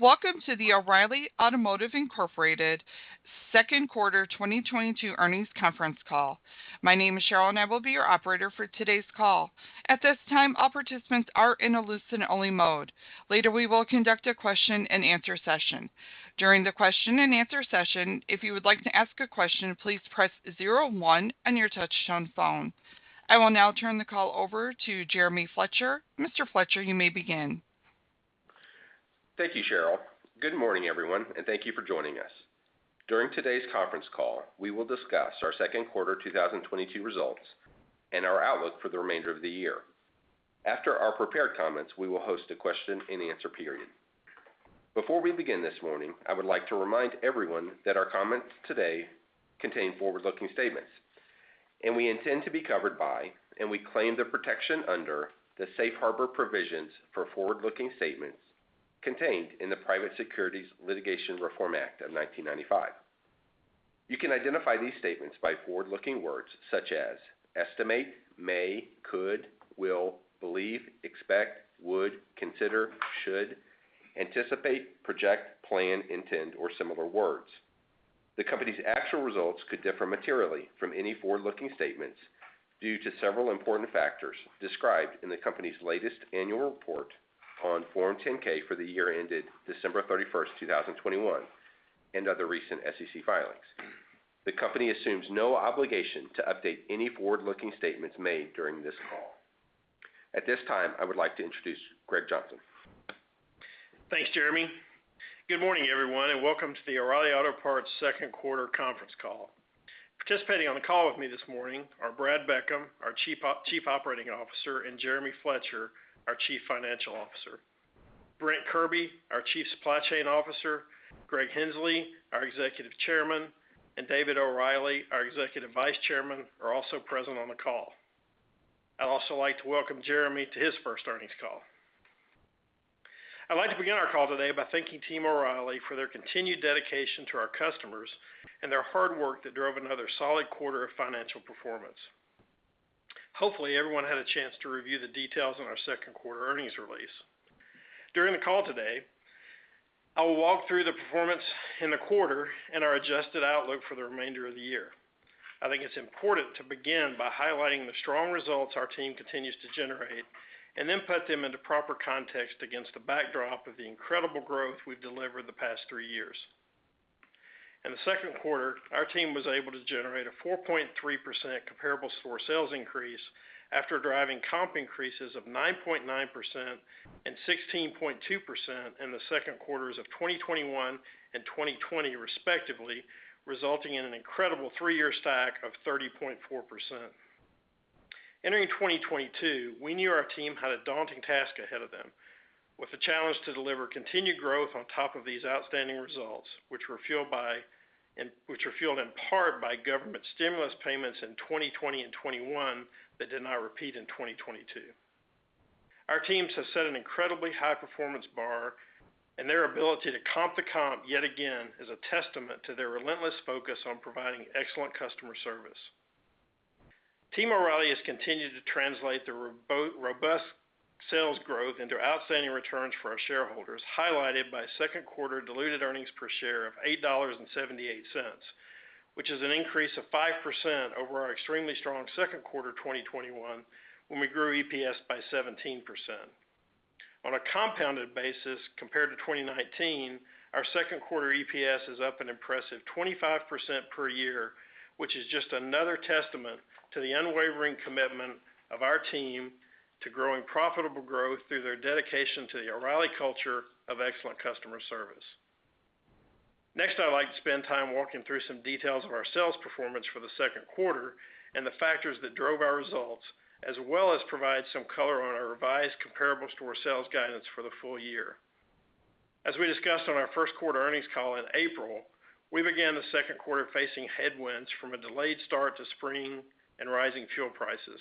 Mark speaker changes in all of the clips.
Speaker 1: Welcome to the O'Reilly Automotive, Inc. Q2 2022 Earnings Conference Call. My name is Cheryl, and I will be your operator for today's call. At this time, all participants are in a listen-only mode. Later, we will conduct a question-and-answer session. During the question-and-answer session, if you would like to ask a question, please press zero one on your touchtone phone. I will now turn the call over to Jeremy Fletcher. Mr. Fletcher, you may begin.
Speaker 2: Thank you, Cheryl. Good morning, everyone, and thank you for joining us. During today's conference call, we will discuss our Q2 2022 results and our outlook for the remainder of the year. After our prepared comments, we will host a question-and-answer period. Before we begin this morning, I would like to remind everyone that our comments today contain forward-looking statements, and we intend to be covered by and we claim the protection under the Safe Harbor Provisions for Forward-Looking Statements contained in the Private Securities Litigation Reform Act of 1995. You can identify these statements by forward-looking words such as estimate, may, could, will, believe, expect, would, consider, should, anticipate, project, plan, intend, or similar words. The company's actual results could differ materially from any forward-looking statements due to several important factors described in the company's latest annual report on Form 10-K for the year ended December 31, 2021, and other recent SEC filings. The company assumes no obligation to update any forward-looking statements made during this call. At this time, I would like to introduce Greg Johnson.
Speaker 3: Thanks, Jeremy. Good morning, everyone, and welcome to the O'Reilly Auto Parts Q2 Conference Call. Participating on the call with me this morning are Brad Beckham, our Chief Operating Officer, and Jeremy Fletcher, our Chief Financial Officer. Brent Kirby, our Chief Supply Chain Officer, Greg Henslee, our Executive Chairman, and David O'Reilly, our Executive Vice Chairman, are also present on the call. I'd also like to welcome Jeremy to his first earnings call. I'd like to begin our call today by thanking Team O'Reilly for their continued dedication to our customers and their hard work that drove another solid quarter of financial performance. Hopefully, everyone had a chance to review the details on our Q2 earnings release. During the call today, I will walk through the performance in the quarter and our adjusted outlook for the remainder of the year. I think it's important to begin by highlighting the strong results our team continues to generate and then put them into proper context against the backdrop of the incredible growth we've delivered the past three years. In Q2, our team was able to generate a 4.3% comparable store sales increase after driving comp increases of 9.9% and 16.2% in the Q2s of 2021 and 2020 respectively, resulting in an incredible three-year stack of 30.4%. Entering 2022, we knew our team had a daunting task ahead of them with the challenge to deliver continued growth on top of these outstanding results, which were fueled in part by government stimulus payments in 2020 and 2021 that did not repeat in 2022. Our teams have set an incredibly high performance bar, and their ability to comp the comp yet again is a testament to their relentless focus on providing excellent customer service. Team O'Reilly has continued to translate the robust sales growth into outstanding returns for our shareholders, highlighted by Q2 diluted earnings per share of $8.78, which is an increase of 5% over our extremely strong Q2 2021 when we grew EPS by 17%. On a compounded basis, compared to 2019, our Q2 EPS is up an impressive 25% per year, which is just another testament to the unwavering commitment of our team to growing profitable growth through their dedication to the O'Reilly culture of excellent customer service. Next, I'd like to spend time walking through some details of our sales performance for Q2 and the factors that drove our results, as well as provide some color on our revised comparable store sales guidance for the full year. As we discussed on our Q1 earnings call in April, we began Q2 facing headwinds from a delayed start to spring and rising fuel prices.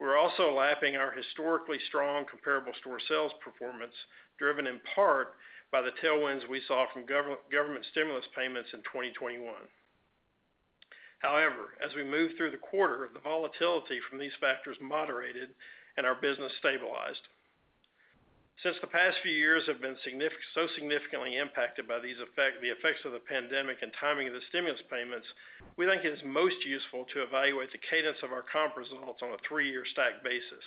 Speaker 3: We're also lapping our historically strong comparable store sales performance, driven in part by the tailwinds we saw from government stimulus payments in 2021. However, as we moved through the quarter, the volatility from these factors moderated and our business stabilized. Since the past few years have been significantly impacted by these effects of the pandemic and timing of the stimulus payments, we think it is most useful to evaluate the cadence of our comp results on a three-year stack basis.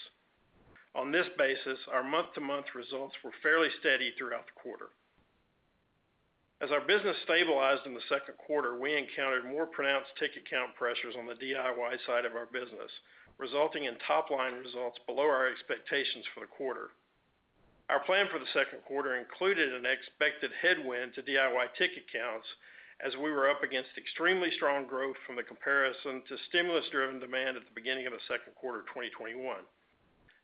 Speaker 3: On this basis, our month-to-month results were fairly steady throughout the quarter. As our business stabilized in Q2, we encountered more pronounced ticket count pressures on the DIY side of our business, resulting in top-line results below our expectations for the quarter. Our plan for Q2 included an expected headwind to DIY ticket counts as we were up against extremely strong growth from the comparison to stimulus-driven demand at the beginning Q2 of 2021.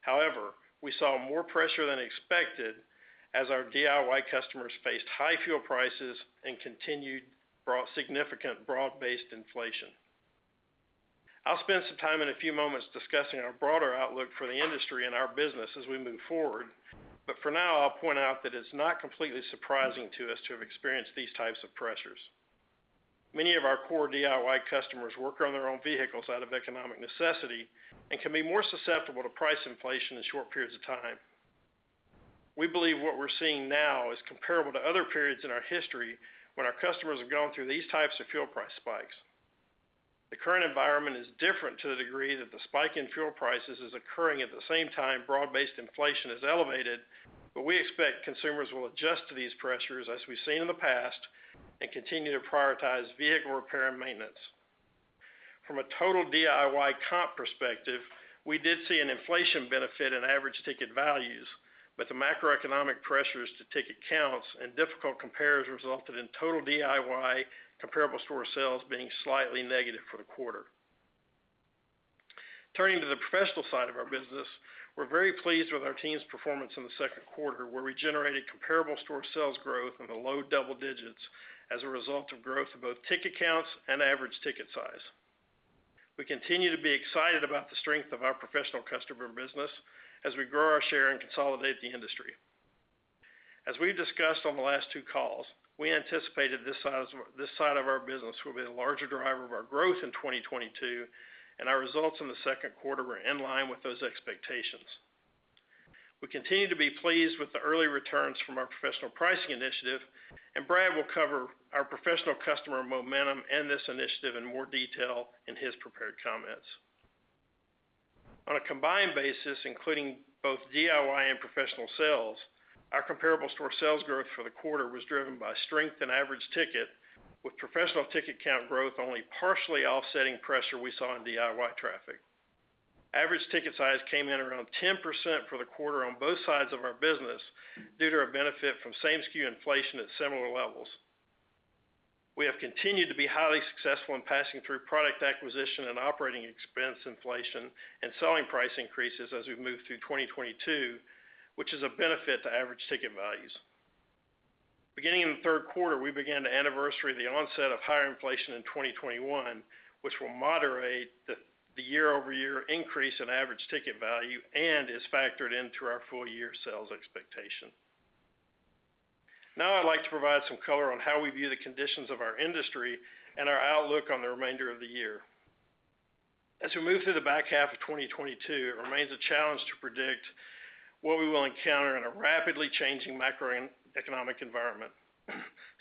Speaker 3: However, we saw more pressure than expected as our DIY customers faced high fuel prices and continued broad-based inflation. I'll spend some time in a few moments discussing our broader outlook for the industry and our business as we move forward, but for now, I'll point out that it's not completely surprising to us to have experienced these types of pressures. Many of our core DIY customers work on their own vehicles out of economic necessity and can be more susceptible to price inflation in short periods of time. We believe what we're seeing now is comparable to other periods in our history when our customers have gone through these types of fuel price spikes. The current environment is different to the degree that the spike in fuel prices is occurring at the same time broad-based inflation is elevated, but we expect consumers will adjust to these pressures as we've seen in the past and continue to prioritize vehicle repair and maintenance. From a total DIY comp perspective, we did see an inflation benefit in average ticket values, but the macroeconomic pressures to ticket counts and difficult compares resulted in total DIY comparable store sales being slightly negative for the quarter. Turning to the professional side of our business, we're very pleased with our team's performance in Q2, where we generated comparable store sales growth in the low double digits as a result of growth of both ticket counts and average ticket size. We continue to be excited about the strength of our professional customer business as we grow our share and consolidate the industry. As we discussed on the last two calls, we anticipated this side of our business will be the larger driver of our growth in 2022, and our results in Q2 were in line with those expectations. We continue to be pleased with the early returns from our professional pricing initiative, and Brad will cover our professional customer momentum and this initiative in more detail in his prepared comments. On a combined basis, including both DIY and professional sales, our comparable store sales growth for the quarter was driven by strength in average ticket, with professional ticket count growth only partially offsetting pressure we saw in DIY traffic. Average ticket size came in around 10% for the quarter on both sides of our business due to our benefit from same SKU inflation at similar levels. We have continued to be highly successful in passing through product acquisition and operating expense inflation and selling price increases as we've moved through 2022, which is a benefit to average ticket values. Beginning in Q3, we began to anniversary the onset of higher inflation in 2021, which will moderate the year-over-year increase in average ticket value and is factored into our full-year sales expectation. Now I'd like to provide some color on how we view the conditions of our industry and our outlook on the remainder of the year. As we move through the back half of 2022, it remains a challenge to predict what we will encounter in a rapidly changing macroeconomic environment.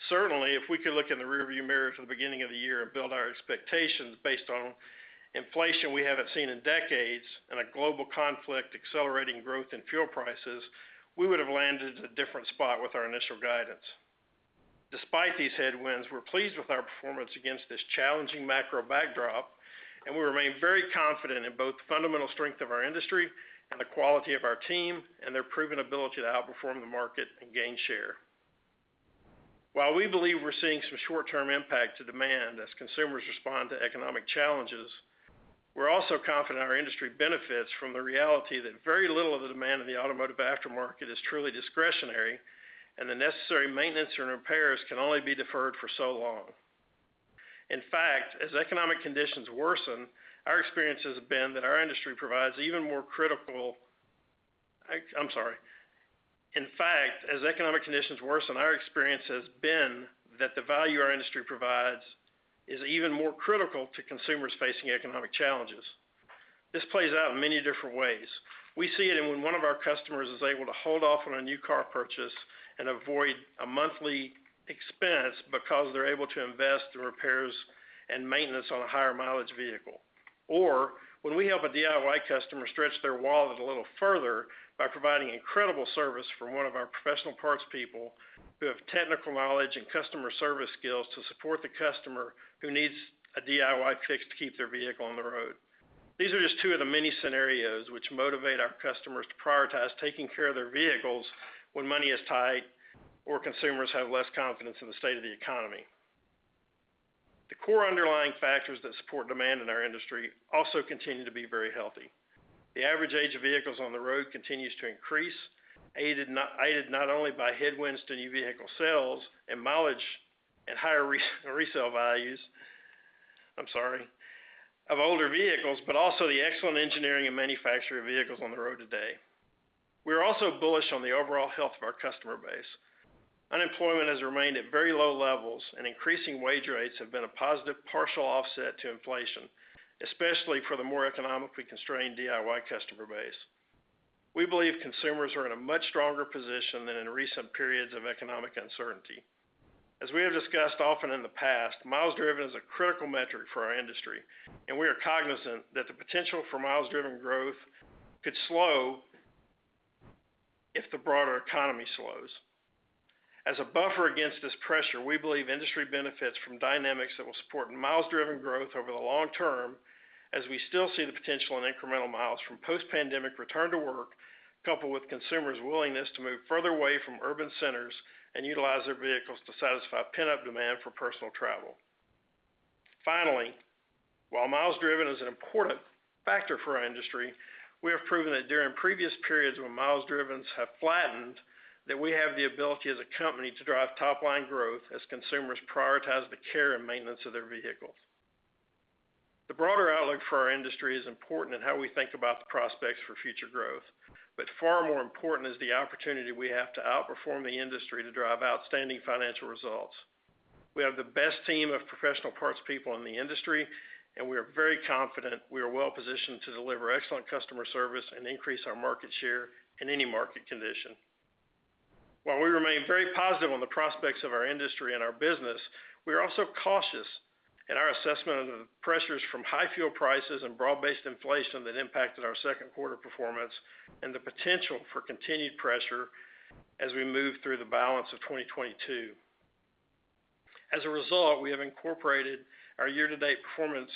Speaker 3: Certainly, if we could look in the rearview mirror to the beginning of the year and build our expectations based on inflation we haven't seen in decades and a global conflict accelerating growth in fuel prices, we would have landed at a different spot with our initial guidance. Despite these headwinds, we're pleased with our performance against this challenging macro backdrop, and we remain very confident in both the fundamental strength of our industry and the quality of our team, and their proven ability to outperform the market and gain share. While we believe we're seeing some short-term impact to demand as consumers respond to economic challenges, we're also confident our industry benefits from the reality that very little of the demand in the automotive aftermarket is truly discretionary, and the necessary maintenance and repairs can only be deferred for so long. In fact, as economic conditions worsen, our experience has been that the value our industry provides is even more critical to consumers facing economic challenges. This plays out in many different ways. We see it when one of our customers is able to hold off on a new car purchase and avoid a monthly expense because they're able to invest in repairs and maintenance on a higher mileage vehicle. When we help a DIY customer stretch their wallet a little further by providing incredible service from one of our professional parts people who have technical knowledge and customer service skills to support the customer who needs a DIY fix to keep their vehicle on the road. These are just two of the many scenarios which motivate our customers to prioritize taking care of their vehicles when money is tight or consumers have less confidence in the state of the economy. The core underlying factors that support demand in our industry also continue to be very healthy. The average age of vehicles on the road continues to increase, aided not only by headwinds to new vehicle sales and mileage and higher resale values, I'm sorry, of older vehicles, but also the excellent engineering and manufacturing of vehicles on the road today. We are also bullish on the overall health of our customer base. Unemployment has remained at very low levels, and increasing wage rates have been a positive partial offset to inflation, especially for the more economically constrained DIY customer base. We believe consumers are in a much stronger position than in recent periods of economic uncertainty. As we have discussed often in the past, miles driven is a critical metric for our industry, and we are cognizant that the potential for miles driven growth could slow if the broader economy slows. As a buffer against this pressure, we believe industry benefits from dynamics that will support miles driven growth over the long term, as we still see the potential in incremental miles from post-pandemic return to work, coupled with consumers' willingness to move further away from urban centers and utilize their vehicles to satisfy pent-up demand for personal travel. Finally, while miles driven is an important factor for our industry, we have proven that during previous periods when miles driven have flattened, that we have the ability as a company to drive top-line growth as consumers prioritize the care and maintenance of their vehicles. The broader outlook for our industry is important in how we think about the prospects for future growth. Far more important is the opportunity we have to outperform the industry to drive outstanding financial results. We have the best team of professional parts people in the industry, and we are very confident we are well-positioned to deliver excellent customer service and increase our market share in any market condition. While we remain very positive on the prospects of our industry and our business, we are also cautious in our assessment of the pressures from high fuel prices and broad-based inflation that impacted our Q2 performance and the potential for continued pressure as we move through the balance of 2022. As a result, we have incorporated our year-to-date performance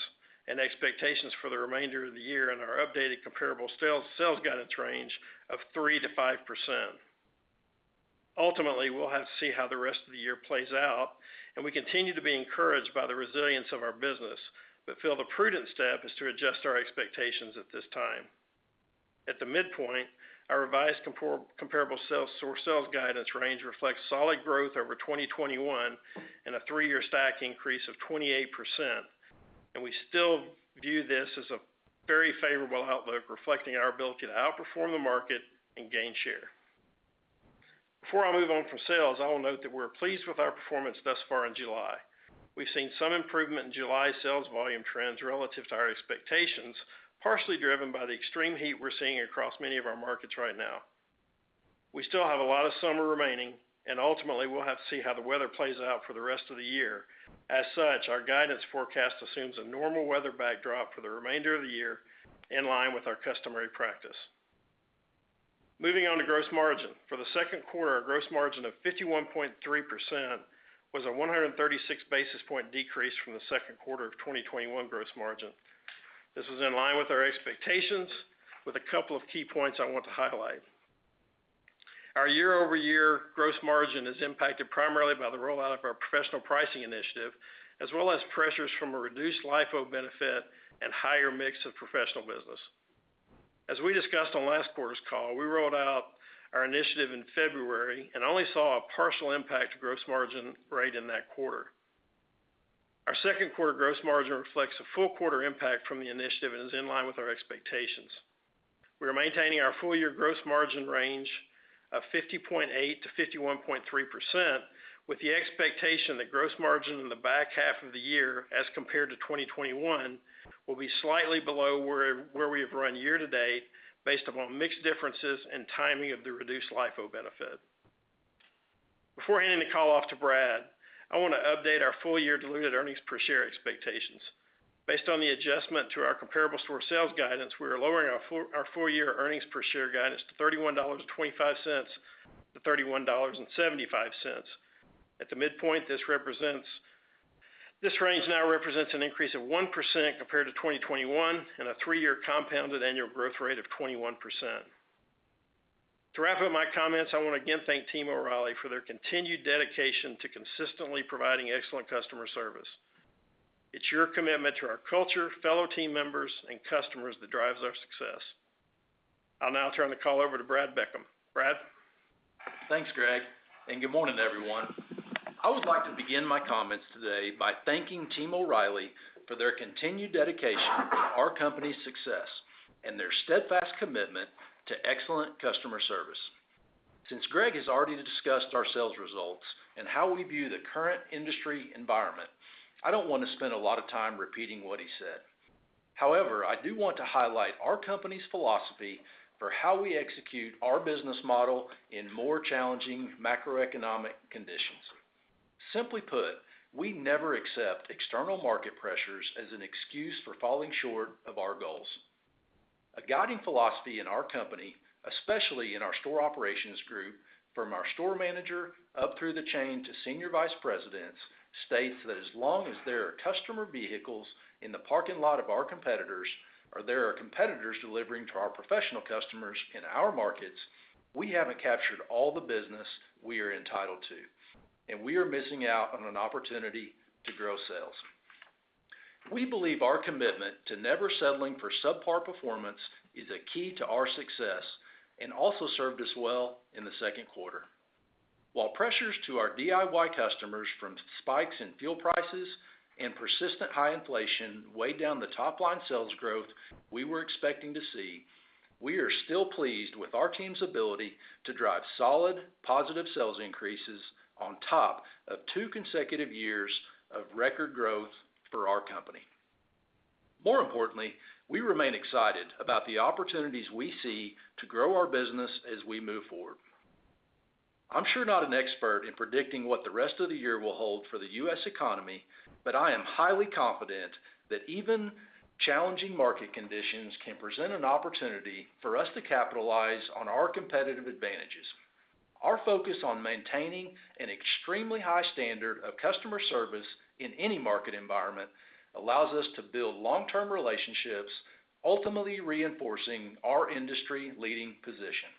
Speaker 3: and expectations for the remainder of the year in our updated comparable sales guidance range of 3%-5%. Ultimately, we'll have to see how the rest of the year plays out, and we continue to be encouraged by the resilience of our business, but feel the prudent step is to adjust our expectations at this time. At the midpoint, our revised comparable same-store sales guidance range reflects solid growth over 2021 and a three-year stack increase of 28%, and we still view this as a very favorable outlook reflecting our ability to outperform the market and gain share. Before I move on from sales, I will note that we're pleased with our performance thus far in July. We've seen some improvement in July sales volume trends relative to our expectations, partially driven by the extreme heat we're seeing across many of our markets right now. We still have a lot of summer remaining, and ultimately we'll have to see how the weather plays out for the rest of the year. As such, our guidance forecast assumes a normal weather backdrop for the remainder of the year, in line with our customary practice. Moving on to gross margin. For Q2, our gross margin of 51.3% was a 136 basis point decrease from Q2 of 2021 gross margin. This was in line with our expectations with a couple of key points I want to highlight. Our year-over-year gross margin is impacted primarily by the rollout of our professional pricing initiative, as well as pressures from a reduced LIFO benefit and higher mix of professional business. As we discussed on last quarter's call, we rolled out our initiative in February and only saw a partial impact to gross margin right in that quarter. Our Q2 gross margin reflects a full quarter impact from the initiative and is in line with our expectations. We are maintaining our full year gross margin range of 50.8%-51.3% with the expectation that gross margin in the back half of the year as compared to 2021 will be slightly below where we have run year to date based upon mix differences and timing of the reduced LIFO benefit. Before handing the call off to Brad, I want to update our full year diluted earnings per share expectations. Based on the adjustment to our comparable store sales guidance, we are lowering our full year earnings per share guidance to $31.25-31.75. At the midpoint, this range now represents an increase of 1% compared to 2021 and a three-year compounded annual growth rate of 21%. To wrap up my comments, I want to again thank Team O'Reilly for their continued dedication to consistently providing excellent customer service. It's your commitment to our culture, fellow team members, and customers that drives our success. I'll now turn the call over to Brad Beckham. Brad?
Speaker 4: Thanks, Greg, and good morning, everyone. I would like to begin my comments today by thanking Team O'Reilly for their continued dedication to our company's success and their steadfast commitment to excellent customer service. Since Greg has already discussed our sales results and how we view the current industry environment, I don't want to spend a lot of time repeating what he said. However, I do want to highlight our company's philosophy for how we execute our business model in more challenging macroeconomic conditions. Simply put, we never accept external market pressures as an excuse for falling short of our goals. A guiding philosophy in our company, especially in our store operations group, from our store manager up through the chain to senior vice presidents, states that as long as there are customer vehicles in the parking lot of our competitors or there are competitors delivering to our professional customers in our markets, we haven't captured all the business we are entitled to, and we are missing out on an opportunity to grow sales. We believe our commitment to never settling for subpar performance is a key to our success and also served us well in Q2. While pressures to our DIY customers from spikes in fuel prices and persistent high inflation weighed down the top-line sales growth we were expecting to see, we are still pleased with our team's ability to drive solid positive sales increases on top of two consecutive years of record growth for our company. More importantly, we remain excited about the opportunities we see to grow our business as we move forward. I'm not sure an expert in predicting what the rest of the year will hold for the U.S. economy, but I am highly confident that even challenging market conditions can present an opportunity for us to capitalize on our competitive advantages. Our focus on maintaining an extremely high standard of customer service in any market environment allows us to build long-term relationships, ultimately reinforcing our industry-leading position.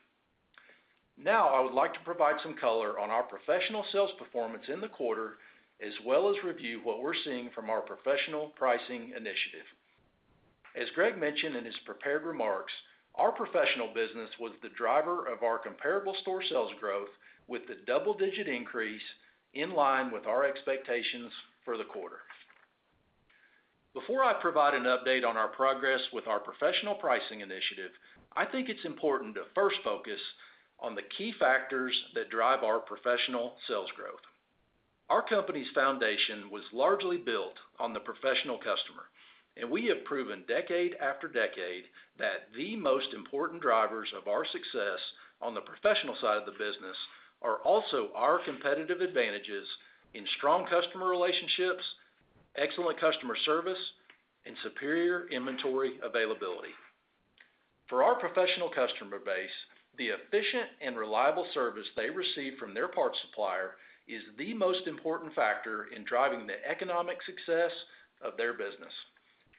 Speaker 4: Now, I would like to provide some color on our professional sales performance in the quarter, as well as review what we're seeing from our professional pricing initiative. As Greg mentioned in his prepared remarks, our professional business was the driver of our comparable store sales growth with the double-digit increase in line with our expectations for the quarter. Before I provide an update on our progress with our professional pricing initiative, I think it's important to first focus on the key factors that drive our professional sales growth. Our company's foundation was largely built on the professional customer, and we have proven decade after decade that the most important drivers of our success on the professional side of the business are also our competitive advantages in strong customer relationships, excellent customer service, and superior inventory availability. For our professional customer base, the efficient and reliable service they receive from their parts supplier is the most important factor in driving the economic success of their business.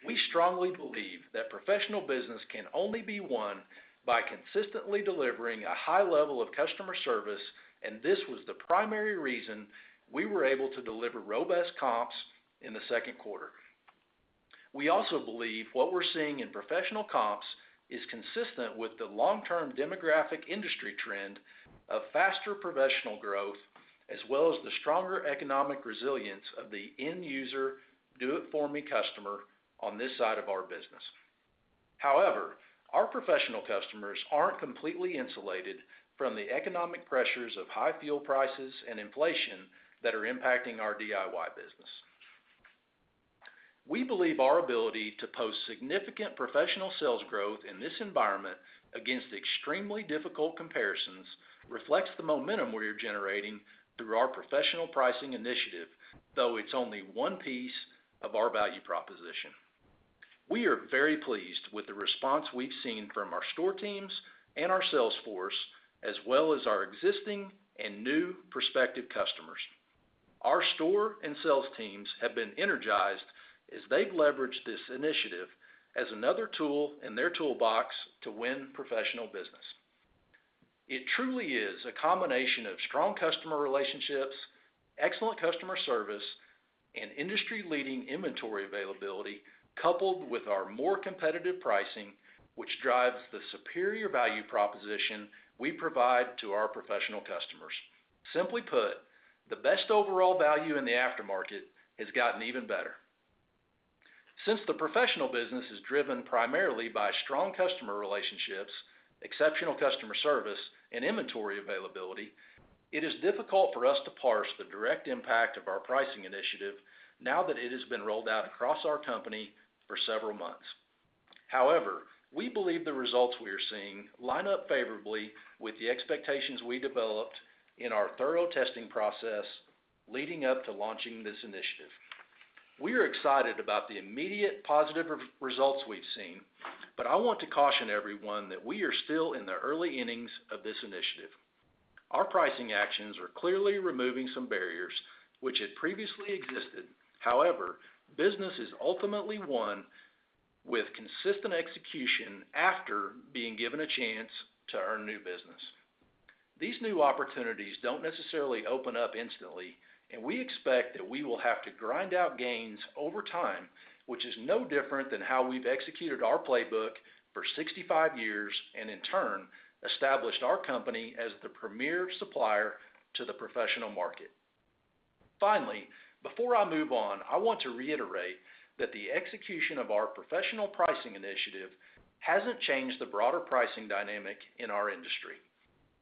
Speaker 4: We strongly believe that professional business can only be won by consistently delivering a high level of customer service, and this was the primary reason we were able to deliver robust comps in Q2. We also believe what we're seeing in professional comps is consistent with the long-term demographic industry trend of faster professional growth, as well as the stronger economic resilience of the end user do it for me customer on this side of our business. However, our professional customers aren't completely insulated from the economic pressures of high fuel prices and inflation that are impacting our DIY business. We believe our ability to post significant professional sales growth in this environment against extremely difficult comparisons reflects the momentum we are generating through our professional pricing initiative, though it's only one piece of our value proposition. We are very pleased with the response we've seen from our store teams and our sales force, as well as our existing and new prospective customers. Our store and sales teams have been energized as they've leveraged this initiative as another tool in their toolbox to win professional business. It truly is a combination of strong customer relationships, excellent customer service, and industry-leading inventory availability, coupled with our more competitive pricing, which drives the superior value proposition we provide to our professional customers. Simply put, the best overall value in the aftermarket has gotten even better. Since the professional business is driven primarily by strong customer relationships, exceptional customer service, and inventory availability, it is difficult for us to parse the direct impact of our pricing initiative now that it has been rolled out across our company for several months. However, we believe the results we are seeing line up favorably with the expectations we developed in our thorough testing process leading up to launching this initiative. We are excited about the immediate positive results we've seen, but I want to caution everyone that we are still in the early innings of this initiative. Our pricing actions are clearly removing some barriers which had previously existed. However, business is ultimately won with consistent execution after being given a chance to earn new business. These new opportunities don't necessarily open up instantly, and we expect that we will have to grind out gains over time, which is no different than how we've executed our playbook for 65 years, and in turn, established our company as the premier supplier to the professional market. Finally, before I move on, I want to reiterate that the execution of our professional pricing initiative hasn't changed the broader pricing dynamic in our industry.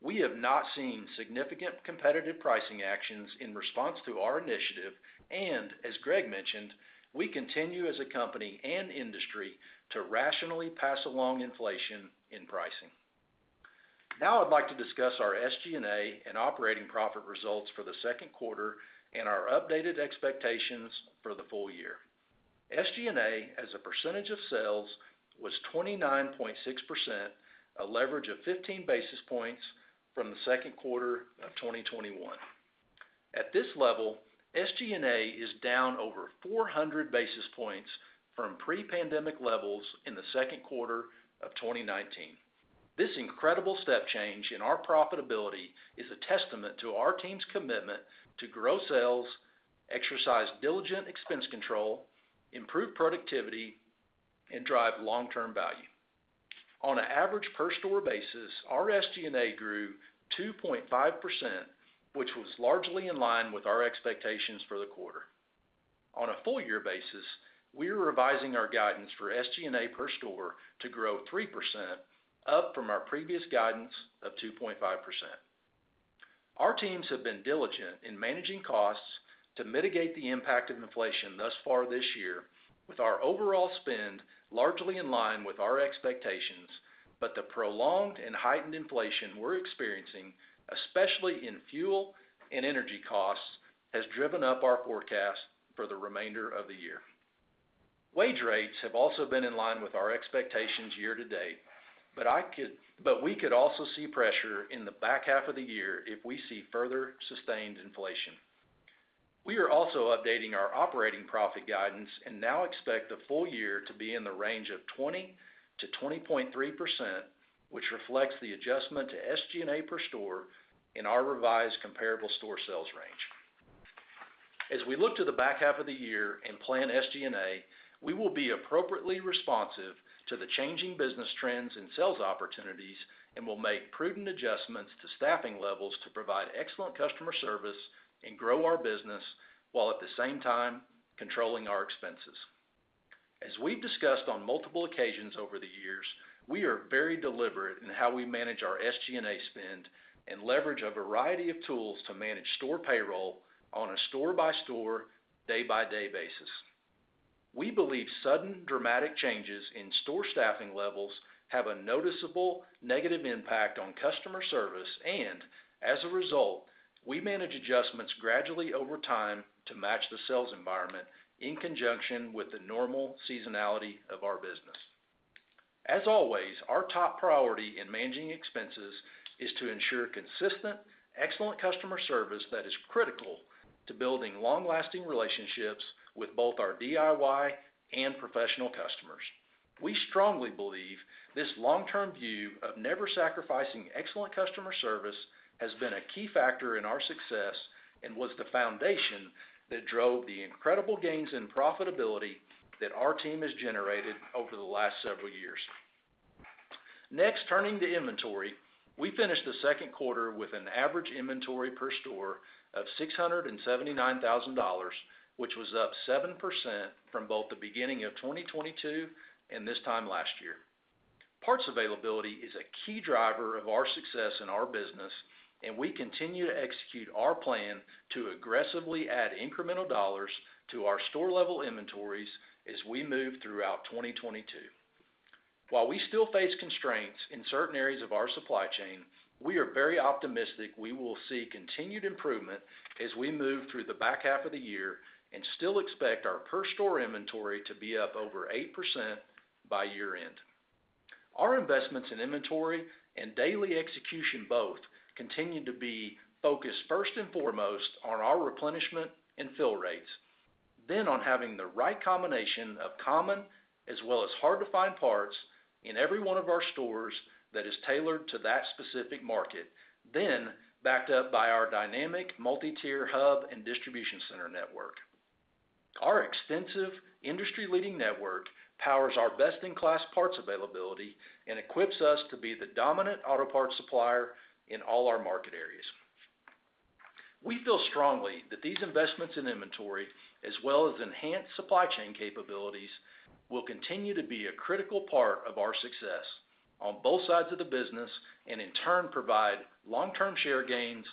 Speaker 4: We have not seen significant competitive pricing actions in response to our initiative, and as Greg mentioned, we continue as a company and industry to rationally pass along inflation in pricing. Now I'd like to discuss our SG&A and operating profit results for Q2 and our updated expectations for the full year. SG&A as a percentage of sales was 29.6%, a leverage of 15 basis points from Q2 of 2021. At this level, SG&A is down over 400 basis points from pre-pandemic levels in Q2 of 2019. This incredible step change in our profitability is a testament to our team's commitment to grow sales, exercise diligent expense control, improve productivity, and drive long-term value. On an average per store basis, our SG&A grew 2.5%, which was largely in line with our expectations for the quarter. On a full year basis, we're revising our guidance for SG&A per store to grow 3%, up from our previous guidance of 2.5%. Our teams have been diligent in managing costs to mitigate the impact of inflation thus far this year with our overall spend largely in line with our expectations, but the prolonged and heightened inflation we're experiencing, especially in fuel and energy costs, has driven up our forecast for the remainder of the year. Wage rates have also been in line with our expectations year to date, but we could also see pressure in the back half of the year if we see further sustained inflation. We are also updating our operating profit guidance and now expect the full year to be in the range of 20%-20.3%, which reflects the adjustment to SG&A per store in our revised comparable store sales range. As we look to the back half of the year and plan SG&A, we will be appropriately responsive to the changing business trends and sales opportunities, and we'll make prudent adjustments to staffing levels to provide excellent customer service and grow our business while at the same time controlling our expenses. As we've discussed on multiple occasions over the years, we are very deliberate in how we manage our SG&A spend and leverage a variety of tools to manage store payroll on a store-by-store, day-by-day basis. We believe sudden dramatic changes in store staffing levels have a noticeable negative impact on customer service, and as a result, we manage adjustments gradually over time to match the sales environment in conjunction with the normal seasonality of our business. As always, our top priority in managing expenses is to ensure consistent, excellent customer service that is critical to building long-lasting relationships with both our DIY and professional customers. We strongly believe this long-term view of never sacrificing excellent customer service has been a key factor in our success and was the foundation that drove the incredible gains in profitability that our team has generated over the last several years. Next, turning to inventory. We finished Q2 with an average inventory per store of $679,000, which was up 7% from both the beginning of 2022 and this time last year. Parts availability is a key driver of our success in our business, and we continue to execute our plan to aggressively add incremental dollars to our store-level inventories as we move throughout 2022. While we still face constraints in certain areas of our supply chain, we are very optimistic we will see continued improvement as we move through the back half of the year and still expect our per store inventory to be up over 8% by year-end. Our investments in inventory and daily execution both continue to be focused first and foremost on our replenishment and fill rates, then on having the right combination of common as well as hard-to-find parts in every one of our stores that is tailored to that specific market, then backed up by our dynamic multi-tier hub and distribution center network. Our extensive industry-leading network powers our best-in-class parts availability and equips us to be the dominant auto parts supplier in all our market areas. We feel strongly that these investments in inventory, as well as enhanced supply chain capabilities, will continue to be a critical part of our success on both sides of the business and in turn, provide long-term share gains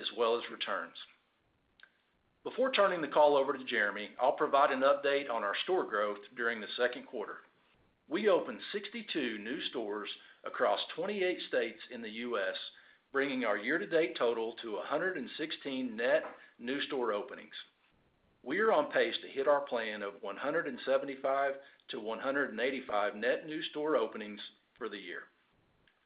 Speaker 4: as well as returns. Before turning the call over to Jeremy, I'll provide an update on our store growth during the Q2. We opened 62 new stores across 28 states in the U.S., bringing our year-to-date total to 116 net new store openings. We are on pace to hit our plan of 175-185 net new store openings for the year.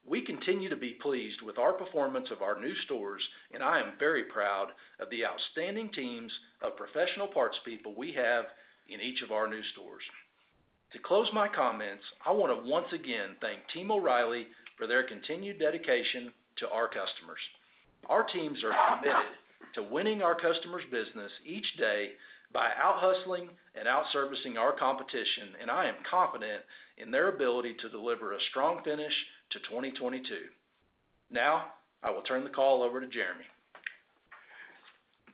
Speaker 4: We continue to be pleased with our performance of our new stores, and I am very proud of the outstanding teams of professional parts people we have in each of our new stores. To close my comments, I want to once again thank Team O'Reilly for their continued dedication to our customers. Our teams are committed to winning our customers' business each day by out-hustling and out-servicing our competition, and I am confident in their ability to deliver a strong finish to 2022. Now, I will turn the call over to Jeremy.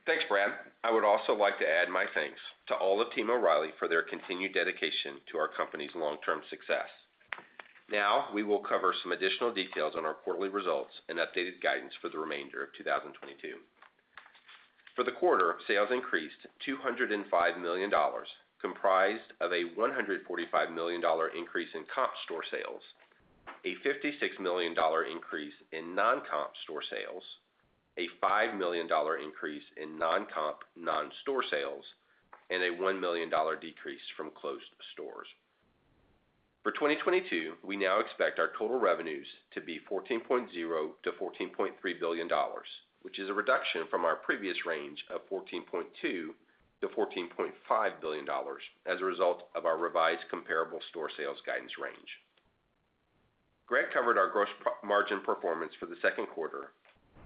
Speaker 2: Thanks, Brad. I would also like to add my thanks to all of Team O'Reilly for their continued dedication to our company's long-term success. Now, we will cover some additional details on our quarterly results and updated guidance for the remainder of 2022. For the quarter, sales increased $205 million, comprised of a $145 million increase in comp store sales, a $56 million increase in non-comp store sales, a $5 million increase in non-comp non-store sales, and a 1 million decrease from closed stores. For 2022, we now expect our total revenues to be $14.0-14.3 billion, which is a reduction from our previous range of $14.2-14.5 billion as a result of our revised comparable store sales guidance range. Greg covered our gross profit margin performance for Q2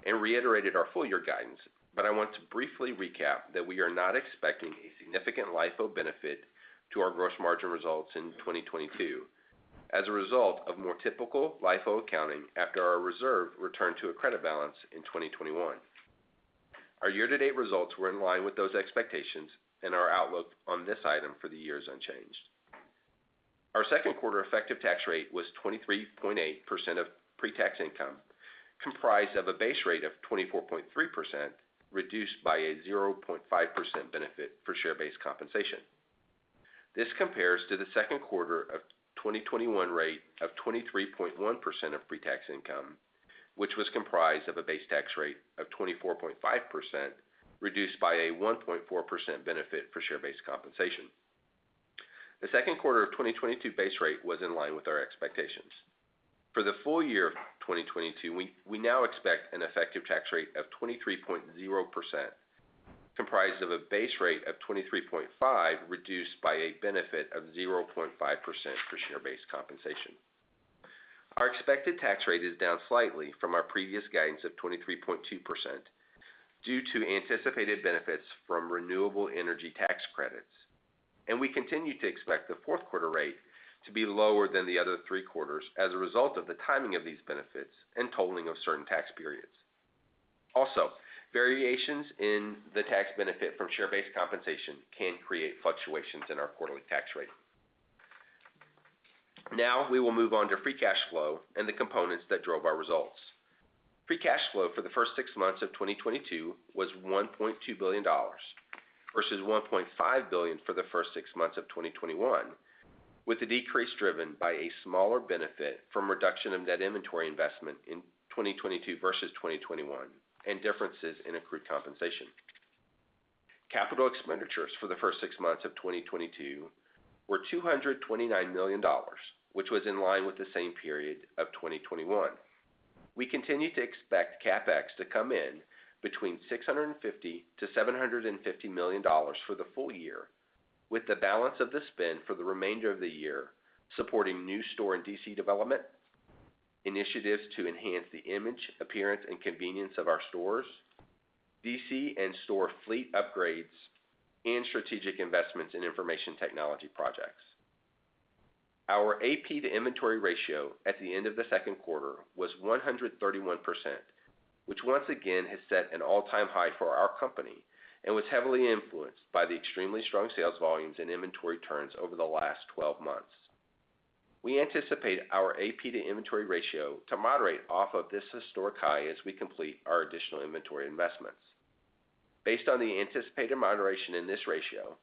Speaker 2: and reiterated our full year guidance, but I want to briefly recap that we are not expecting a significant LIFO benefit to our gross margin results in 2022 as a result of more typical LIFO accounting after our reserve returned to a credit balance in 2021. Our year-to-date results were in line with those expectations, and our outlook on this item for the year is unchanged. Our Q2 effective tax rate was 23.8% of pre-tax income, comprised of a base rate of 24.3%, reduced by a 0.5% benefit for share-based compensation. This compares to Q2 of 2021 rate of 23.1% of pre-tax income, which was comprised of a base tax rate of 24.5%, reduced by a 1.4% benefit for share-based compensation. Q2 of 2022 base rate was in line with our expectations. For the full year of 2022, we now expect an effective tax rate of 23.0%, comprised of a base rate of 23.5, reduced by a benefit of 0.5% for share-based compensation. Our expected tax rate is down slightly from our previous guidance of 23.2% due to anticipated benefits from renewable energy tax credits. We continue to expect Q4 rate to be lower than the other three quarters as a result of the timing of these benefits and totaling of certain tax periods. Also, variations in the tax benefit from share-based compensation can create fluctuations in our quarterly tax rate. Now, we will move on to free cash flow and the components that drove our results. Free cash flow for the first six months of 2022 was $1.2 versus 1.5 billion for the first six months of 2021, with the decrease driven by a smaller benefit from reduction of net inventory investment in 2022 versus 2021 and differences in accrued compensation. Capital expenditures for the first six months of 2022 were $229 million, which was in line with the same period of 2021. We continue to expect CapEx to come in between $650-730 million for the full year, with the balance of the spend for the remainder of the year supporting new store and DC development, initiatives to enhance the image, appearance and convenience of our stores, DC and store fleet upgrades, and strategic investments in information technology projects. Our AP to inventory ratio at the end of Q2 was 131%, which once again has set an all-time high for our company and was heavily influenced by the extremely strong sales volumes and inventory turns over the last 12 months. We anticipate our AP to inventory ratio to moderate off of this historic high as we complete our additional inventory investments. Based on the anticipated moderation in this ratio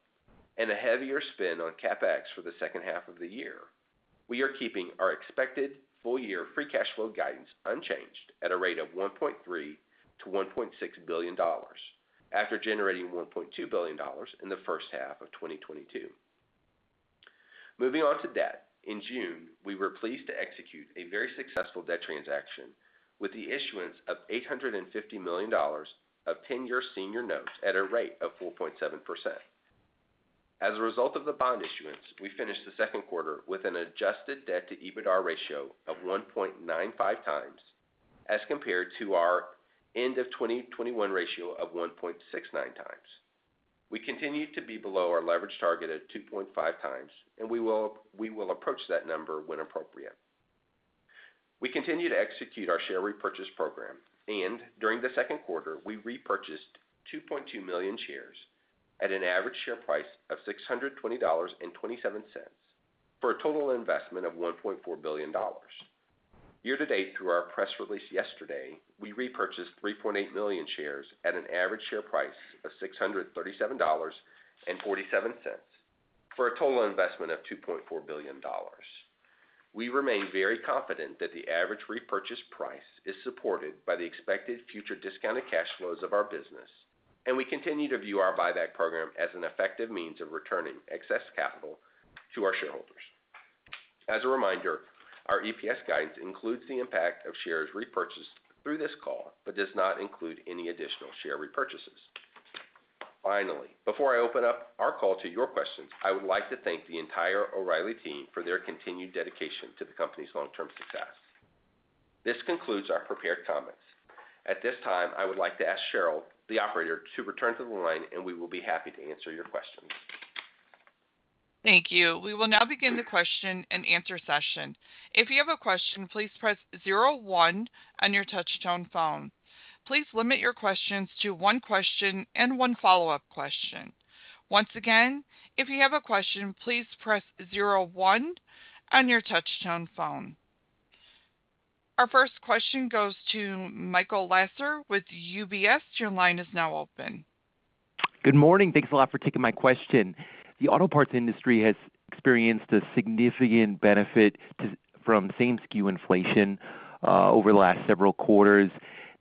Speaker 2: and a heavier spend on CapEx for the second half of the year, we are keeping our expected full-year free cash flow guidance unchanged at a rate of $1.3-1.6 billion after generating $1.2 billion in the first half of 2022. Moving on to debt. In June, we were pleased to execute a very successful debt transaction with the issuance of $850 million of 10-year senior notes at a rate of 4.7%. As a result of the bond issuance, we finished Q2 with an adjusted debt to EBITDAR ratio of 1.95x as compared to our end of 2021 ratio of 1.69x. We continue to be below our leverage target at 2.5x, and we will approach that number when appropriate. We continue to execute our share repurchase program, and during Q2, we repurchased 2.2 million shares at an average share price of $620.27 for a total investment of $1.4 billion. Year to date through our press release yesterday, we repurchased 3.8 million shares at an average share price of $637.47 for a total investment of $2.4 billion. We remain very confident that the average repurchase price is supported by the expected future discounted cash flows of our business, and we continue to view our buyback program as an effective means of returning excess capital to our shareholders. As a reminder, our EPS guidance includes the impact of shares repurchased through this call, but does not include any additional share repurchases. Finally, before I open up our call to your questions, I would like to thank the entire O'Reilly team for their continued dedication to the company's long-term success. This concludes our prepared comments. At this time, I would like to ask Cheryl, the operator, to return to the line, and we will be happy to answer your questions.
Speaker 1: Thank you. We will now begin the question and answer session. If you have a question, please press zero one on your touch-tone phone. Please limit your questions to one question and one follow-up question. Once again, if you have a question, please press zero one on your touch-tone phone. Our first question goes to Michael Lasser with UBS. Your line is now open.
Speaker 5: Good morning. Thanks a lot for taking my question. The auto parts industry has experienced a significant benefit from same-SKU inflation over the last several quarters.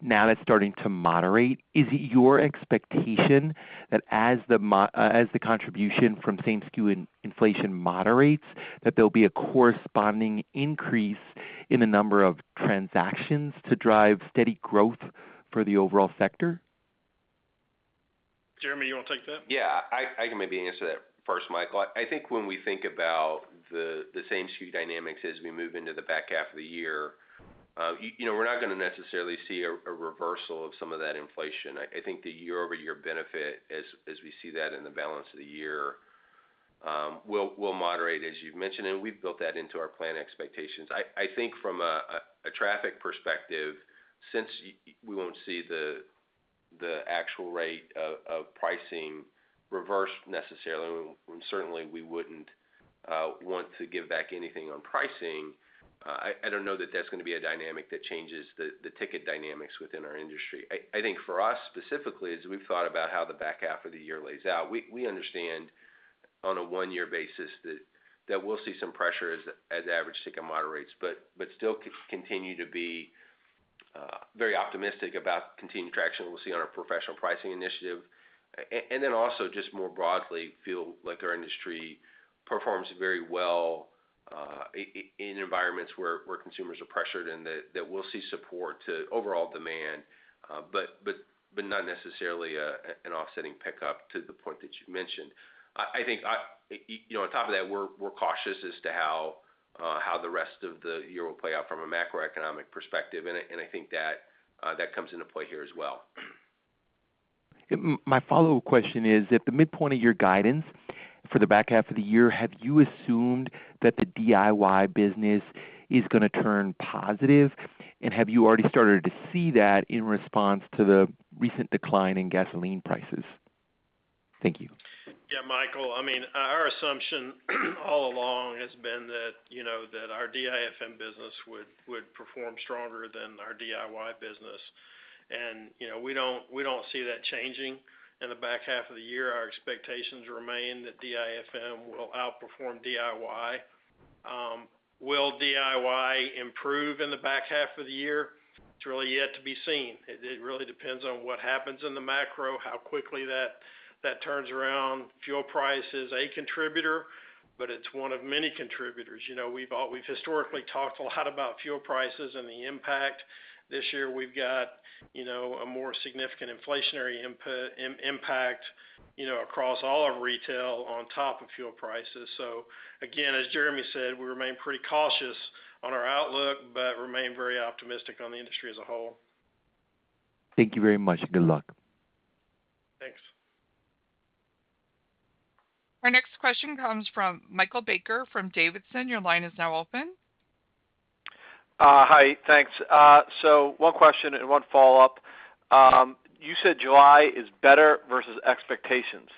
Speaker 5: Now that's starting to moderate. Is it your expectation that as the contribution from same-SKU inflation moderates, that there'll be a corresponding increase in the number of transactions to drive steady growth for the overall sector?
Speaker 3: Jeremy, you wanna take that?
Speaker 2: Yeah. I can maybe answer that first, Michael. I think when we think about the same SKU dynamics as we move into the back half of the year, you know, we're not gonna necessarily see a reversal of some of that inflation. I think the year-over-year benefit as we see that in the balance of the year will moderate, as you've mentioned, and we've built that into our plan expectations. I think from a traffic perspective, since we won't see the actual rate of pricing reverse necessarily, and certainly we wouldn't want to give back anything on pricing, I don't know that that's gonna be a dynamic that changes the ticket dynamics within our industry. I think for us specifically, as we've thought about how the back half of the year lays out, we understand on a one-year basis that we'll see some pressure as average ticket moderates, but still continue to be very optimistic about continued traction we'll see on our professional pricing initiative. Also just more broadly feel like our industry performs very well in environments where consumers are pressured and that we'll see support to overall demand, but not necessarily an offsetting pickup to the point that you've mentioned. I think. You know, on top of that, we're cautious as to how the rest of the year will play out from a macroeconomic perspective, and I think that comes into play here as well.
Speaker 5: My follow-up question is, at the midpoint of your guidance for the back half of the year, have you assumed that the DIY business is gonna turn positive? Have you already started to see that in response to the recent decline in gasoline prices? Thank you.
Speaker 3: Yeah, Michael, I mean, our assumption all along has been that, you know, that our DIFM business would perform stronger than our DIY business. You know, we don't see that changing in the back half of the year. Our expectations remain that DIFM will outperform DIY. Will DIY improve in the back half of the year? It's really yet to be seen. It really depends on what happens in the macro, how quickly that turns around. Fuel price is a contributor, but it's one of many contributors. You know, we've historically talked a lot about fuel prices and the impact. This year we've got, you know, a more significant inflationary impact, you know, across all of retail on top of fuel prices. Again, as Jeremy said, we remain pretty cautious on our outlook, but remain very optimistic on the industry as a whole.
Speaker 5: Thank you very much. Good luck.
Speaker 3: Thanks.
Speaker 1: Our next question comes from Michael Baker from D.A. Davidson. Your line is now open.
Speaker 6: Hi. Thanks. One question and one follow-up. You said July is better versus expectations.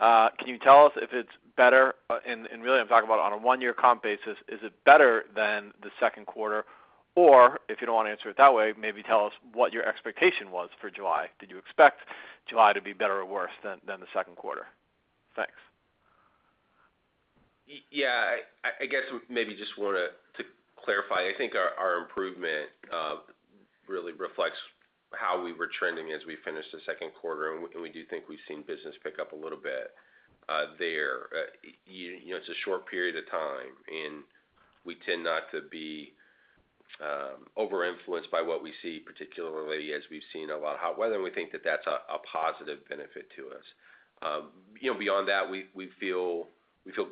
Speaker 6: Can you tell us if it's better, and really I'm talking about on a one-year comp basis, is it better than Q2? Or if you don't wanna answer it that way, maybe tell us what your expectation was for July. Did you expect July to be better or worse than Q2? Thanks.
Speaker 2: Yeah. I guess maybe just want to clarify. I think our improvement really reflects how we were trending as we finished Q2, and we do think we've seen business pick up a little bit there. You know, it's a short period of time, and we tend not to be over-influenced by what we see, particularly as we've seen a lot of hot weather, and we think that that's a positive benefit to us. You know, beyond that, we feel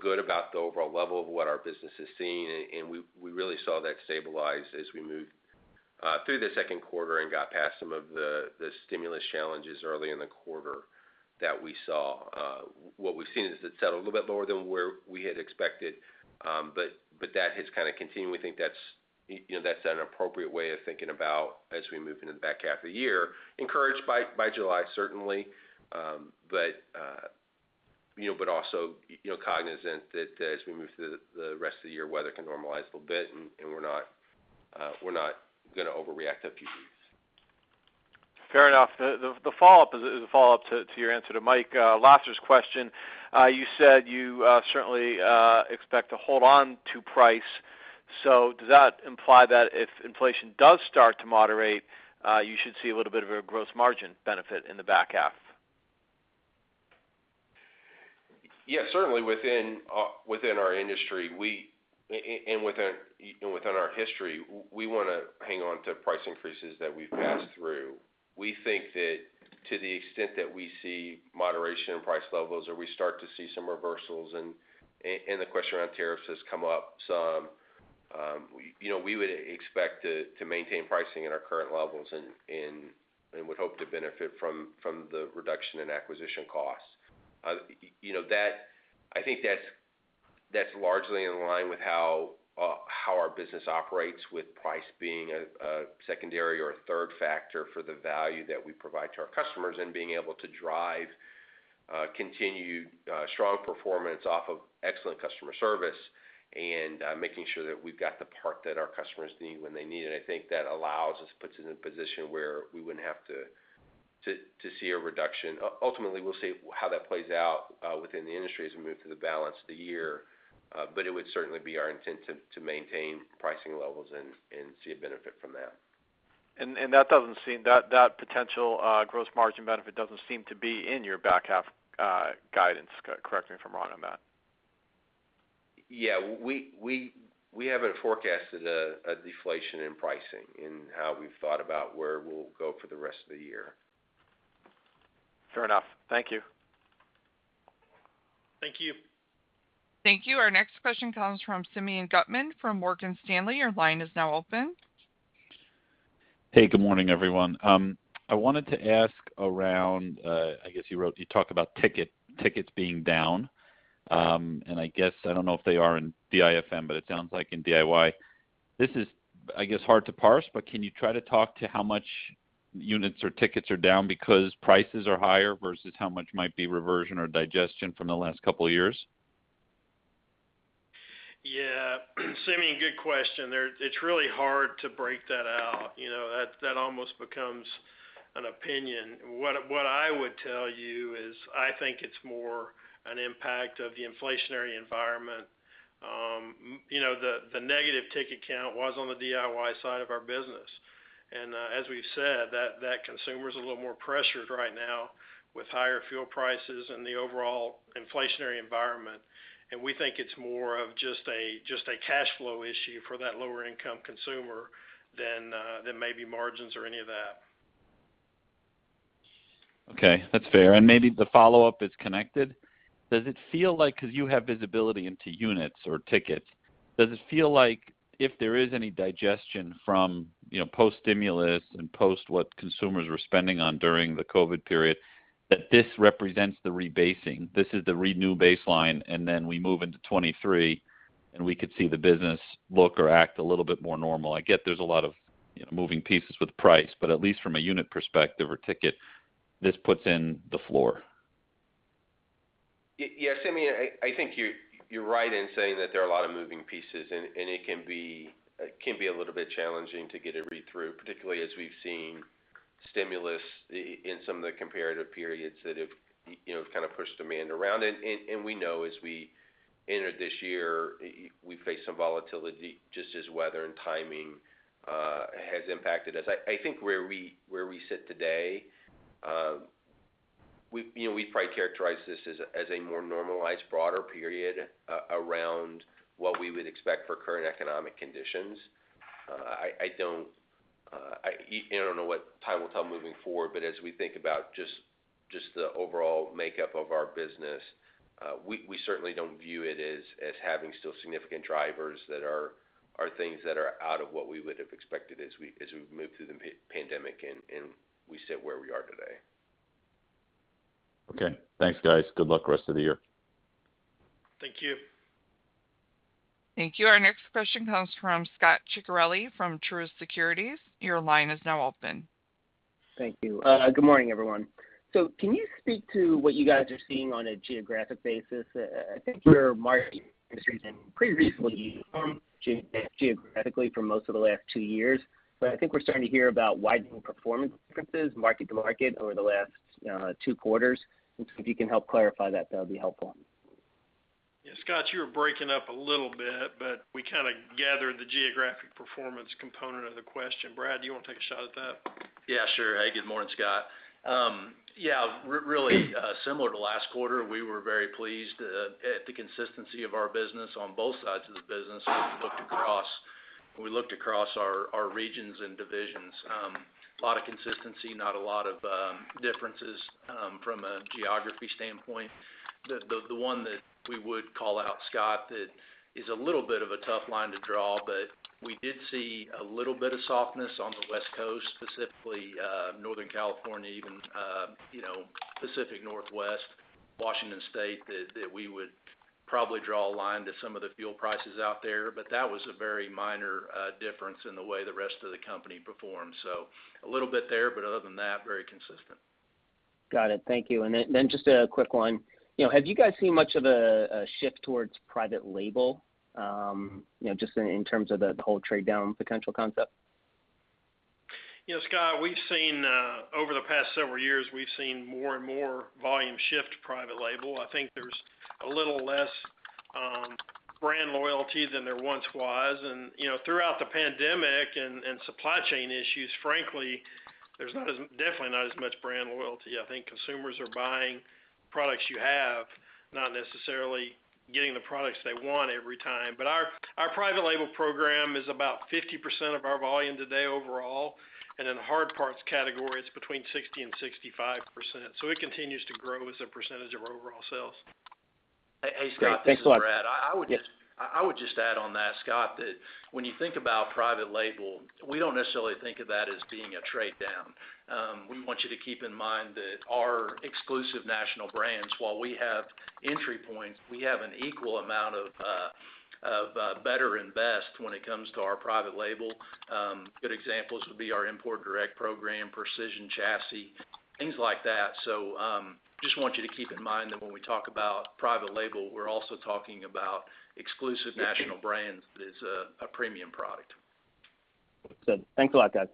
Speaker 2: good about the overall level of what our business is seeing, and we really saw that stabilize as we moved through Q2 and got past some of the stimulus challenges early in the quarter that we saw. What we've seen is it settled a little bit lower than where we had expected, but that has kinda continued. We think that's you know that's an appropriate way of thinking about as we move into the back half of the year, encouraged by July certainly, but also you know cognizant that as we move through the rest of the year, weather can normalize a little bit and we're not gonna overreact a few weeks.
Speaker 6: Fair enough. The follow-up is a follow-up to your answer to Mike Lasser's question. You said you certainly expect to hold on to price. Does that imply that if inflation does start to moderate, you should see a little bit of a gross margin benefit in the back half?
Speaker 2: Yeah, certainly within our industry, and within our history, we wanna hang on to price increases that we've passed through. We think that to the extent that we see moderation in price levels or we start to see some reversals and the question around tariffs has come up some, you know, we would expect to maintain pricing at our current levels and would hope to benefit from the reduction in acquisition costs. I think that's largely in line with how our business operates with price being a secondary or a third factor for the value that we provide to our customers and being able to drive continued strong performance off of excellent customer service and making sure that we've got the part that our customers need when they need it. I think that allows us, puts us in a position where we wouldn't have to see a reduction. Ultimately, we'll see how that plays out within the industry as we move through the balance of the year. It would certainly be our intent to maintain pricing levels and see a benefit from that.
Speaker 6: That potential gross margin benefit doesn't seem to be in your back half guidance. Correct me if I'm wrong on that.
Speaker 2: Yeah. We haven't forecasted a deflation in pricing in how we've thought about where we'll go for the rest of the year.
Speaker 6: Fair enough. Thank you.
Speaker 2: Thank you.
Speaker 1: Thank you. Our next question comes from Simeon Gutman from Morgan Stanley. Your line is now open.
Speaker 7: Hey, good morning, everyone. I wanted to ask around, I guess you wrote, you talk about tickets being down. I guess I don't know if they are in DIFM, but it sounds like in DIY. This is, I guess, hard to parse, but can you try to talk to how much units or tickets are down because prices are higher versus how much might be reversion or digestion from the last couple of years?
Speaker 3: Yeah. Simeon, good question. It's really hard to break that out. You know, that almost becomes an opinion. What I would tell you is I think it's more an impact of the inflationary environment. You know, the negative ticket count was on the DIY side of our business. As we've said, that consumer is a little more pressured right now with higher fuel prices and the overall inflationary environment. We think it's more of just a cash flow issue for that lower income consumer than maybe margins or any of that.
Speaker 7: Okay. That's fair. Maybe the follow-up is connected. Does it feel like, because you have visibility into units or tickets, does it feel like if there is any digestion from, you know, post-stimulus and post what consumers were spending on during the COVID period, that this represents the rebasing? This is the renew baseline, and then we move into 2023, and we could see the business look or act a little bit more normal. I get there's a lot of, you know, moving pieces with price, but at least from a unit perspective or ticket, this puts in the floor.
Speaker 2: Yes, I mean, I think you're right in saying that there are a lot of moving pieces and it can be a little bit challenging to get it read through, particularly as we've seen stimulus in some of the comparative periods that have, you know, kind of pushed demand around. We know as we entered this year, we faced some volatility just as weather and timing has impacted us. I think where we sit today, you know, we probably characterize this as a more normalized, broader period around what we would expect for current economic conditions. I don't know what time will tell moving forward, but as we think about just the overall makeup of our business, we certainly don't view it as having still significant drivers that are things that are out of what we would have expected as we've moved through the pandemic and we sit where we are today.
Speaker 7: Okay. Thanks, guys. Good luck rest of the year.
Speaker 2: Thank you.
Speaker 1: Thank you. Our next question comes from Scot Ciccarelli from Truist Securities. Your line is now open.
Speaker 8: Thank you. Good morning, everyone. Can you speak to what you guys are seeing on a geographic basis? I think your market has been pretty uniformly geographically for most of the last two years, but I think we're starting to hear about widening performance differences market to market over the last two quarters. If you can help clarify that'd be helpful.
Speaker 2: Yeah, Scot, you were breaking up a little bit, but we kinda gathered the geographic performance component of the question. Brad, do you wanna take a shot at that?
Speaker 4: Yeah, sure. Hey, good morning, Scot. Really, similar to last quarter, we were very pleased at the consistency of our business on both sides of the business as we looked across our regions and divisions. A lot of consistency, not a lot of differences from a geography standpoint. The one that we would call out, Scot, that is a little bit of a tough line to draw, but we did see a little bit of softness on the West Coast, specifically Northern California, even you know, Pacific Northwest, Washington State, that we would probably draw a line to some of the fuel prices out there. But that was a very minor difference in the way the rest of the company performed. A little bit there, but other than that, very consistent.
Speaker 8: Got it. Thank you. Just a quick one. You know, have you guys seen much of a shift towards private label, you know, just in terms of the whole trade down potential concept?
Speaker 2: You know, Scot, we've seen over the past several years, we've seen more and more volume shift to private label. I think there's a little less brand loyalty than there once was. You know, throughout the pandemic and supply chain issues, frankly, there's definitely not as much brand loyalty. I think consumers are buying products you have, not necessarily getting the products they want every time. But our private label program is about 50% of our volume today overall. In the hard parts category, it's between 60% and 65%. It continues to grow as a percentage of our overall sales.
Speaker 8: Great. Thanks a lot.
Speaker 4: Hey, Scot, this is Brad. I would just-
Speaker 8: Yeah.
Speaker 4: I would just add on that, Scot, that when you think about private label, we don't necessarily think of that as being a trade down. We want you to keep in mind that our exclusive national brands, while we have entry points, we have an equal amount of better investment when it comes to our private label. Good examples would be our Import Direct program, Precision Chassis, things like that. Just want you to keep in mind that when we talk about private label, we're also talking about exclusive national brands that is a premium product.
Speaker 8: Good. Thanks a lot, guys.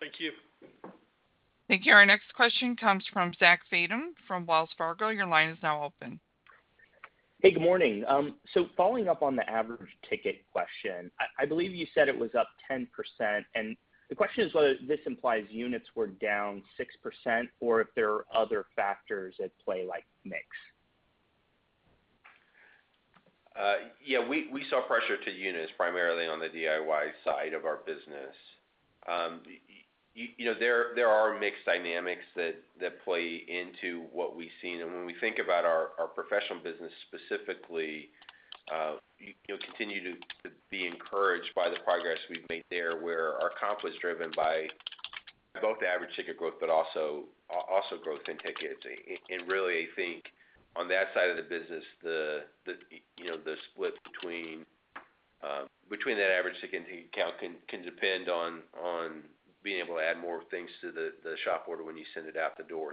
Speaker 2: Thank you.
Speaker 1: Thank you. Our next question comes from Zachary Fadem from Wells Fargo. Your line is now open.
Speaker 9: Hey, good morning. So following up on the average ticket question, I believe you said it was up 10%. The question is whether this implies units were down 6% or if there are other factors at play like mix.
Speaker 2: Yeah, we saw pressure on units primarily on the DIY side of our business. You know, there are mix dynamics that play into what we've seen. When we think about our professional business specifically, you'll continue to be encouraged by the progress we've made there, where our comp was driven by both the average ticket growth, but also growth in tickets. Really, I think on that side of the business, you know, the split between that average ticket count can depend on being able to add more things to the shop order when you send it out the door.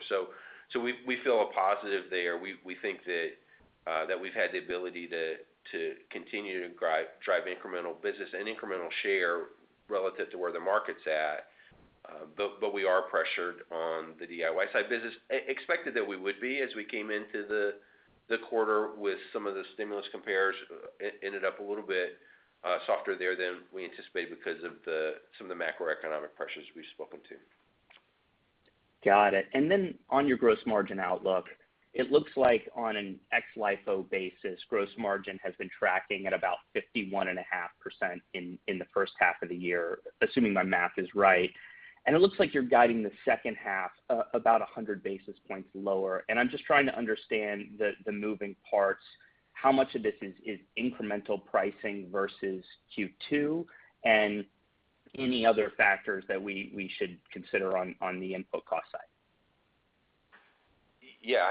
Speaker 2: We feel positive there. We think that we've had the ability to continue to drive incremental business and incremental share relative to where the market's at. We are pressured on the DIY side business. We expected that we would be as we came into the quarter with some of the stimulus comps, ended up a little bit softer there than we anticipated because of some of the macroeconomic pressures we've spoken to.
Speaker 9: Got it. On your gross margin outlook, it looks like on an ex-LIFO basis, gross margin has been tracking at about 51.5% in the first half of the year, assuming my math is right. It looks like you're guiding the second half about 100 basis points lower. I'm just trying to understand the moving parts, how much of this is incremental pricing versus Q2, and any other factors that we should consider on the input cost side.
Speaker 2: Yeah,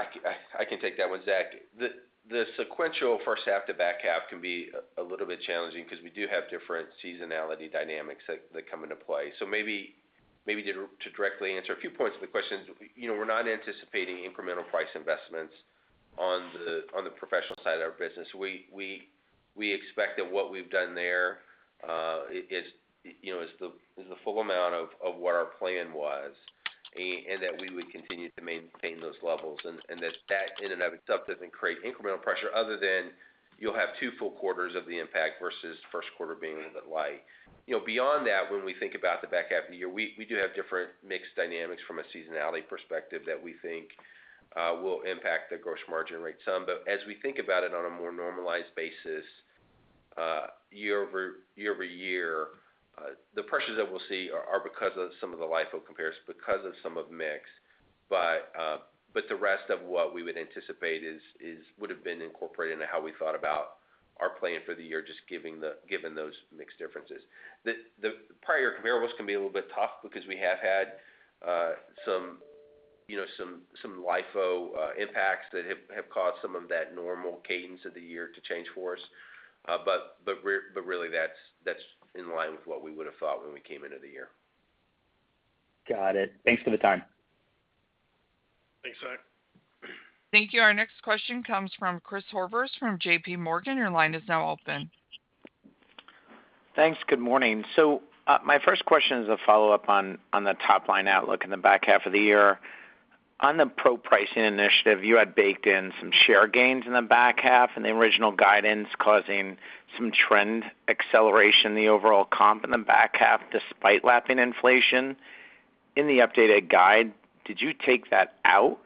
Speaker 2: I can take that one, Zach. The sequential first half to back half can be a little bit challenging because we do have different seasonality dynamics that come into play. Maybe to directly answer a few points of the questions. You know, we're not anticipating incremental price investments on the professional side of our business. We expect that what we've done there is, you know, the full amount of what our plan was, and that we would continue to maintain those levels, and that in and of itself doesn't create incremental pressure other than you'll have two full quarters of the impact versus Q1 being a bit light. You know, beyond that, when we think about the back half of the year, we do have different mix dynamics from a seasonality perspective that we think will impact the gross margin rate some. As we think about it on a more normalized basis, year-over-year, the pressures that we'll see are because of some of the LIFO compares, because of some of mix. The rest of what we would anticipate is would have been incorporated into how we thought about our plan for the year, given those mix differences. The prior comparables can be a little bit tough because we have had some, you know, some LIFO impacts that have caused some of that normal cadence of the year to change for us. Really that's in line with what we would have thought when we came into the year.
Speaker 9: Got it. Thanks for the time.
Speaker 2: Thanks, Zach.
Speaker 1: Thank you. Our next question comes from Christopher Horvers from J.P. Morgan. Your line is now open.
Speaker 10: Thanks. Good morning. My first question is a follow-up on the top line outlook in the back half of the year. On the pro pricing initiative, you had baked in some share gains in the back half in the original guidance, causing some trend acceleration in the overall comp in the back half despite lapping inflation. In the updated guide, did you take that out,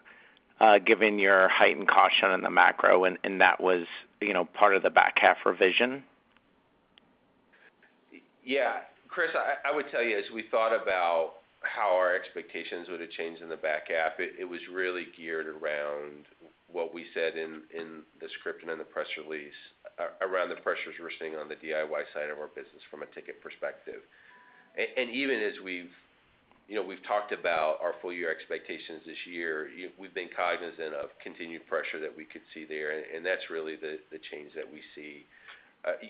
Speaker 10: given your heightened caution in the macro and that was, you know, part of the back half revision?
Speaker 2: Yeah. Chris, I would tell you, as we thought about how our expectations would have changed in the back half, it was really geared around what we said in the script and in the press release around the pressures we're seeing on the DIY side of our business from a ticket perspective. Even as we've, you know, we've talked about our full year expectations this year, we've been cognizant of continued pressure that we could see there, and that's really the change that we see.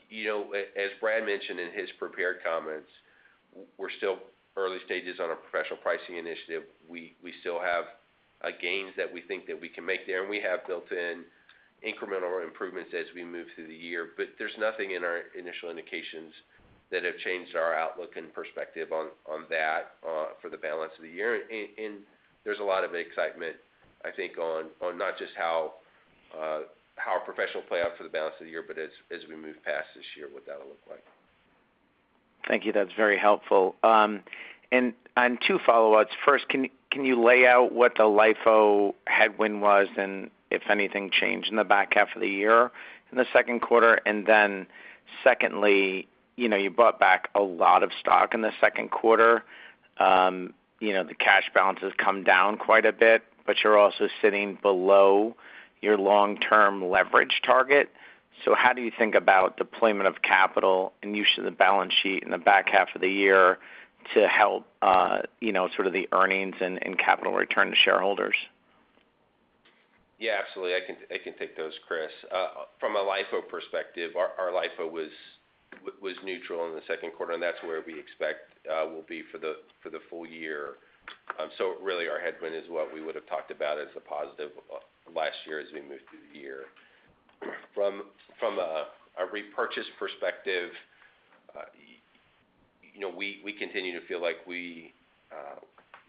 Speaker 2: You know, as Brad mentioned in his prepared comments, we're still early stages on our professional pricing initiative. We still have gains that we think that we can make there, and we have built in incremental improvements as we move through the year. There's nothing in our initial indications that have changed our outlook and perspective on that for the balance of the year. There's a lot of excitement, I think, on not just how our professional play out for the balance of the year, but as we move past this year, what that'll look like.
Speaker 10: Thank you. That's very helpful. And two follow-ups. First, can you lay out what the LIFO headwind was and if anything changed in the back half of the year in Q2? Secondly, you know, you bought back a lot of stock in Q2. You know, the cash balance has come down quite a bit, but you're also sitting below your long-term leverage target. How do you think about deployment of capital and use of the balance sheet in the back half of the year to help, you know, sort of the earnings and capital return to shareholders?
Speaker 2: Yeah, absolutely. I can take those, Chris. From a LIFO perspective, our LIFO was neutral in the Q2, and that's where we expect we'll be for the full year. Really our headwind is what we would have talked about as a positive last year as we moved through the year. From a repurchase perspective, you know, we continue to feel like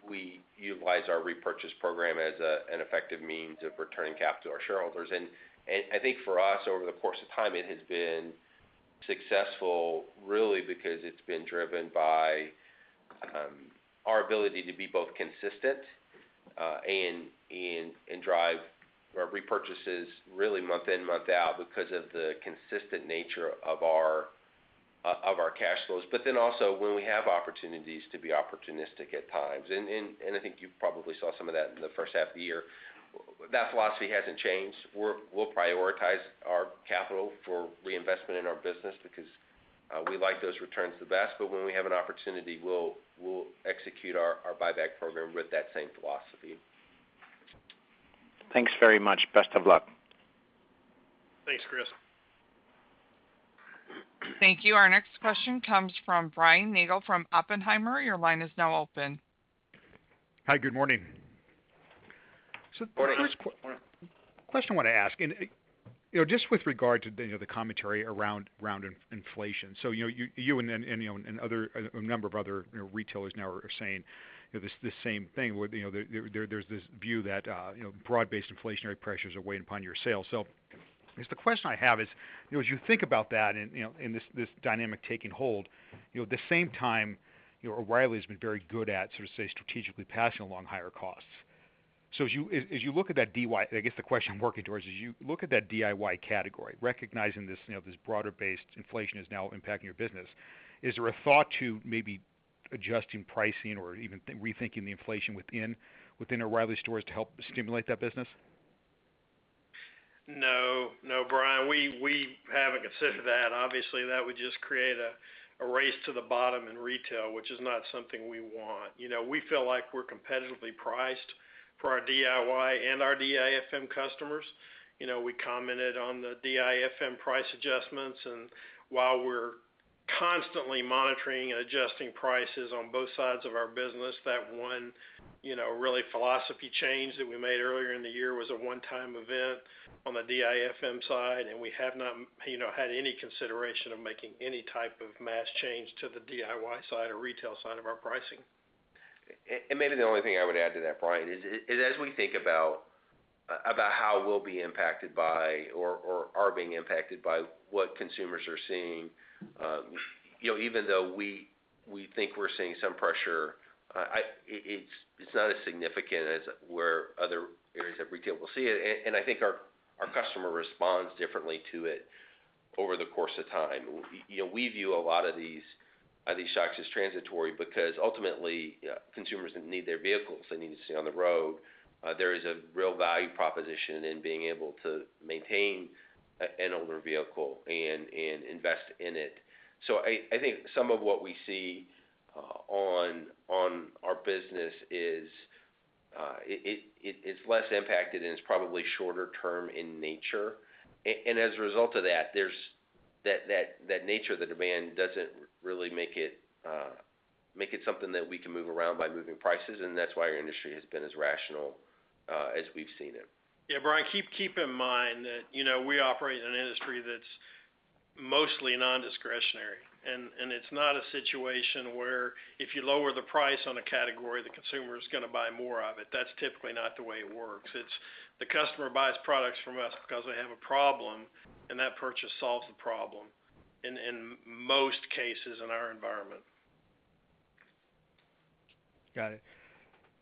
Speaker 2: we utilize our repurchase program as an effective means of returning capital to our shareholders. I think for us, over the course of time, it has been successful really because it's been driven by our ability to be both consistent and drive our repurchases really month in, month out because of the consistent nature of our cash flows, but then also when we have opportunities to be opportunistic at times. I think you probably saw some of that in the first half of the year. That philosophy hasn't changed. We'll prioritize our capital for reinvestment in our business because we like those returns the best. When we have an opportunity, we'll execute our buyback program with that same philosophy.
Speaker 10: Thanks very much. Best of luck.
Speaker 2: Thanks, Chris.
Speaker 1: Thank you. Our next question comes from Brian Nagel from Oppenheimer. Your line is now open.
Speaker 11: Hi. Good morning.
Speaker 2: Morning.
Speaker 11: The first question I wanna ask, you know, just with regard to, you know, the commentary around inflation. You know, you and other retailers now are saying, you know, this same thing, where, you know, there's this view that, you know, broad-based inflationary pressures are weighing upon your sales. I guess the question I have is, you know, as you think about that and, you know, and this dynamic taking hold, you know, at the same time, you know, O'Reilly has been very good at sort of, say, strategically passing along higher costs. As you look at that DIY, I guess the question working towards, as you look at that DIY category, recognizing this, you know, this broad-based inflation is now impacting your business, is there a thought to maybe adjusting pricing or even rethinking the inflation within O'Reilly stores to help stimulate that business?
Speaker 3: No, Brian, we haven't considered that. Obviously, that would just create a race to the bottom in retail, which is not something we want. You know, we feel like we're competitively priced for our DIY and our DIFM customers. You know, we commented on the DIFM price adjustments. While we're constantly monitoring and adjusting prices on both sides of our business, that one, you know, really philosophy change that we made earlier in the year was a one-time event on the DIFM side, and we have not, you know, had any consideration of making any type of mass change to the DIY side or retail side of our pricing.
Speaker 2: Maybe the only thing I would add to that, Brian, is as we think about how we'll be impacted by or are being impacted by what consumers are seeing, you know, even though we think we're seeing some pressure, it's not as significant as where other areas of retail will see it. I think our customer responds differently to it over the course of time. You know, we view a lot of these shocks as transitory because ultimately, consumers need their vehicles. They need to stay on the road. There is a real value proposition in being able to maintain an older vehicle and invest in it. I think some of what we see on our business is less impacted and it's probably shorter term in nature. As a result of that, there's that nature of the demand doesn't really make it something that we can move around by moving prices, and that's why our industry has been as rational as we've seen it.
Speaker 3: Yeah. Brian, keep in mind that, you know, we operate in an industry that's mostly non-discretionary. It's not a situation where if you lower the price on a category, the consumer is gonna buy more of it. That's typically not the way it works. It's the customer buys products from us because they have a problem, and that purchase solves the problem in most cases in our environment.
Speaker 11: Got it.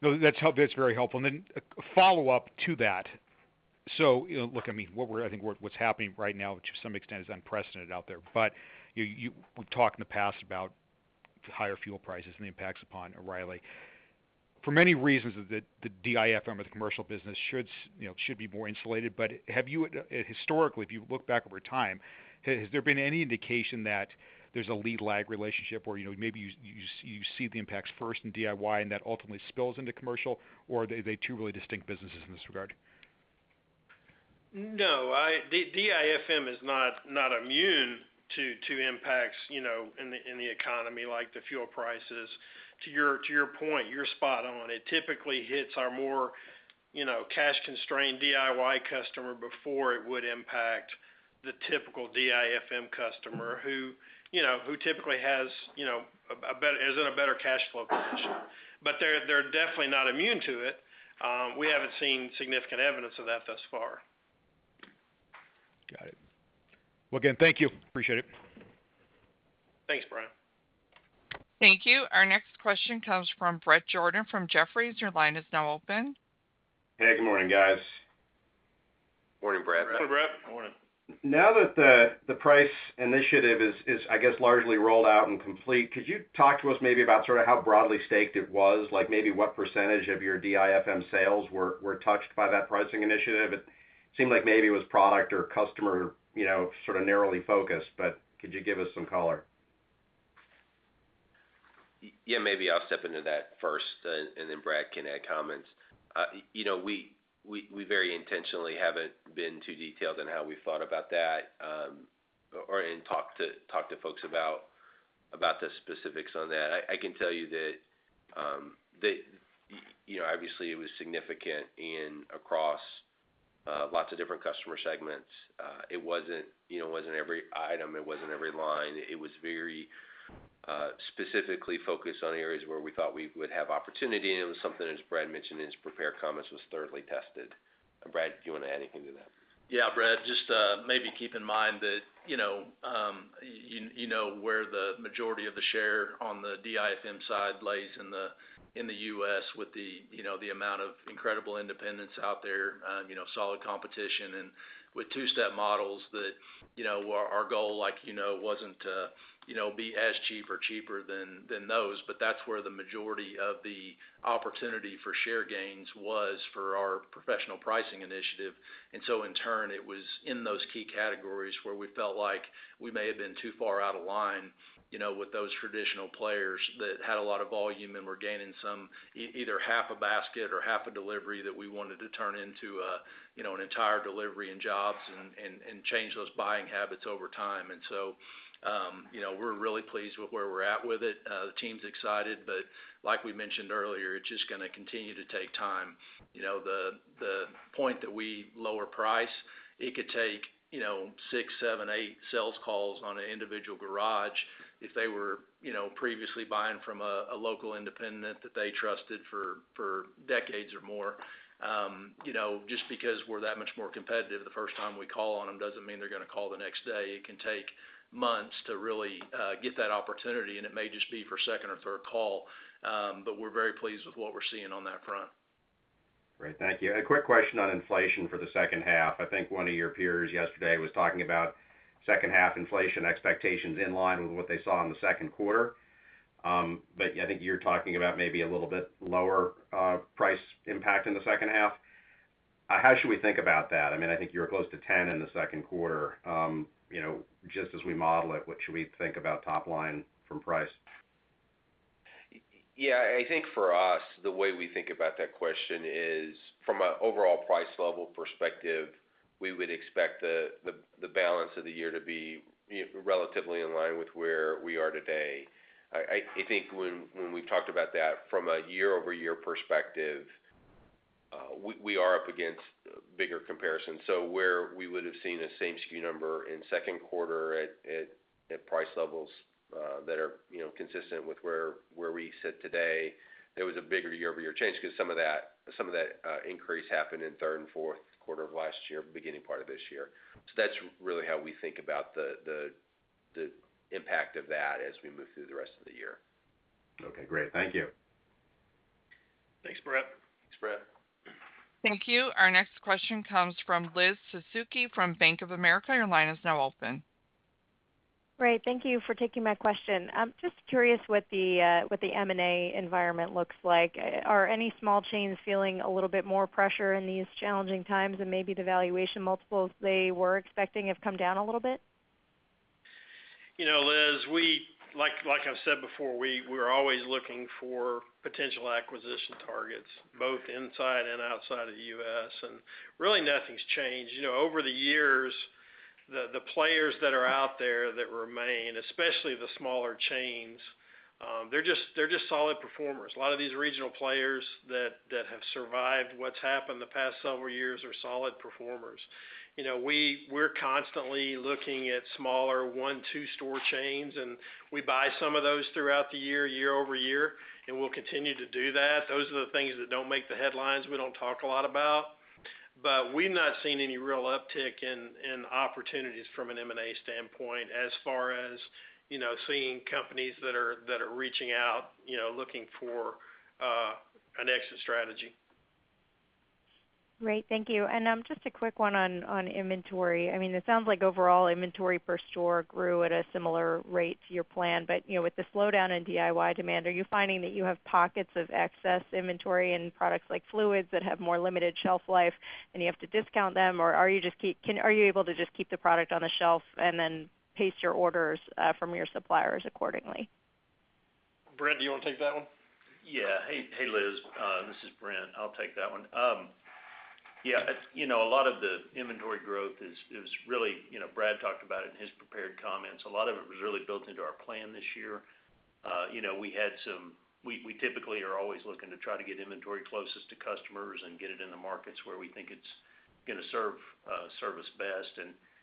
Speaker 11: No, that's very helpful. A follow-up to that. What's happening right now to some extent is unprecedented out there. We've talked in the past about higher fuel prices and the impacts upon O'Reilly. For many reasons, the DIFM or the commercial business should be more insulated. Have you historically, if you look back over time, has there been any indication that there's a lead lag relationship where maybe you see the impacts first in DIY and that ultimately spills into commercial, or are they two really distinct businesses in this regard?
Speaker 3: No, DIFM is not immune to impacts, you know, in the economy like the fuel prices. To your point, you're spot on. It typically hits our more, you know, cash constrained DIY customer before it would impact the typical DIFM customer who, you know, typically has, you know, is in a better cash flow position. But they're definitely not immune to it. We haven't seen significant evidence of that thus far.
Speaker 11: Got it. Well, again, thank you. Appreciate it.
Speaker 3: Thanks, Brian.
Speaker 1: Thank you. Our next question comes from Bret Jordan from Jefferies. Your line is now open.
Speaker 12: Hey, good morning, guys.
Speaker 2: Morning, Bret.
Speaker 3: Morning, Bret.
Speaker 11: Good morning.
Speaker 12: Now that the price initiative is I guess largely rolled out and complete, could you talk to us maybe about sort of how broadly staked it was? Like maybe what percentage of your DIFM sales were touched by that pricing initiative? It seemed like maybe it was product or customer, you know, sort of narrowly focused, but could you give us some color?
Speaker 2: Yeah, maybe I'll step into that first and then Brad can add comments. You know, we very intentionally haven't been too detailed on how we thought about that, and talked to folks about the specifics on that. I can tell you that, you know, obviously it was significant across lots of different customer segments. It wasn't, you know, it wasn't every item, it wasn't every line. It was very specifically focused on areas where we thought we would have opportunity and it was something, as Brad mentioned in his prepared comments, was thoroughly tested. Brad, do you wanna add anything to that?
Speaker 4: Yeah, Bret, just maybe keep in mind that you know where the majority of the share on the DIFM side lies in the U.S. with the you know the amount of incredible independents out there you know solid competition. With two-step models that you know our goal like you know wasn't to you know be as cheap or cheaper than those, but that's where the majority of the opportunity for share gains was for our professional pricing initiative. In turn, it was in those key categories where we felt like we may have been too far out of line, you know, with those traditional players that had a lot of volume and were gaining some, either half a basket or half a delivery that we wanted to turn into a, you know, an entire delivery and jobs and change those buying habits over time. You know, we're really pleased with where we're at with it. The team's excited, but like we mentioned earlier, it's just gonna continue to take time. You know, the point that we lower price, it could take, you know, six, seven, eight sales calls on an individual garage if they were, you know, previously buying from a local independent that they trusted for decades or more. You know, just because we're that much more competitive the first time we call on them doesn't mean they're gonna call the next day. It can take months to really get that opportunity, and it may just be for second or third call. We're very pleased with what we're seeing on that front.
Speaker 12: Great. Thank you. A quick question on inflation for the second half. I think one of your peers yesterday was talking about second half inflation expectations in line with what they saw in Q2. I think you're talking about maybe a little bit lower price impact in the second half. How should we think about that? I mean, I think you were close to 10% in Q2. You know, just as we model it, what should we think about top line from price?
Speaker 2: Yeah, I think for us, the way we think about that question is from an overall price level perspective, we would expect the balance of the year to be relatively in line with where we are today. I think when we talked about that from a year-over-year perspective, we are up against bigger comparisons. So where we would have seen the same SKU number in Q2 at price levels that are, you know, consistent with where we sit today, there was a bigger year-over-year change because some of that increase happened in Q3 and Q4 of last year, beginning part of this year. That's really how we think about the impact of that as we move through the rest of the year.
Speaker 12: Okay, great. Thank you.
Speaker 3: Thanks, Bret.
Speaker 2: Thanks, Bret.
Speaker 1: Thank you. Our next question comes from Elizabeth Suzuki from Bank of America. Your line is now open.
Speaker 13: Great. Thank you for taking my question. I'm just curious what the M&A environment looks like. Are any small chains feeling a little bit more pressure in these challenging times and maybe the valuation multiples they were expecting have come down a little bit?
Speaker 3: You know, Liz, like I said before, we're always looking for potential acquisition targets, both inside and outside of the U.S., and really nothing's changed. You know, over the years, the players that are out there that remain, especially the smaller chains, they're just solid performers. A lot of these regional players that have survived what's happened the past several years are solid performers. You know, we're constantly looking at smaller one, two store chains, and we buy some of those throughout the year-over-year, and we'll continue to do that. Those are the things that don't make the headlines. We don't talk a lot about. But we've not seen any real uptick in opportunities from an M&A standpoint as far as, you know, seeing companies that are reaching out, you know, looking for an exit strategy.
Speaker 13: Great. Thank you. Just a quick one on inventory. I mean, it sounds like overall inventory per store grew at a similar rate to your plan. But you know, with the slowdown in DIY demand, are you finding that you have pockets of excess inventory in products like fluids that have more limited shelf life and you have to discount them? Or are you able to just keep the product on the shelf and then pace your orders from your suppliers accordingly?
Speaker 3: Brent, do you wanna take that one?
Speaker 14: Yeah. Hey, hey, Liz. This is Brent. I'll take that one. Yeah, you know, a lot of the inventory growth is really, you know, Brad talked about it in his prepared comments. A lot of it was really built into our plan this year. You know, we typically are always looking to try to get inventory closest to customers and get it in the markets where we think it's gonna serve service best.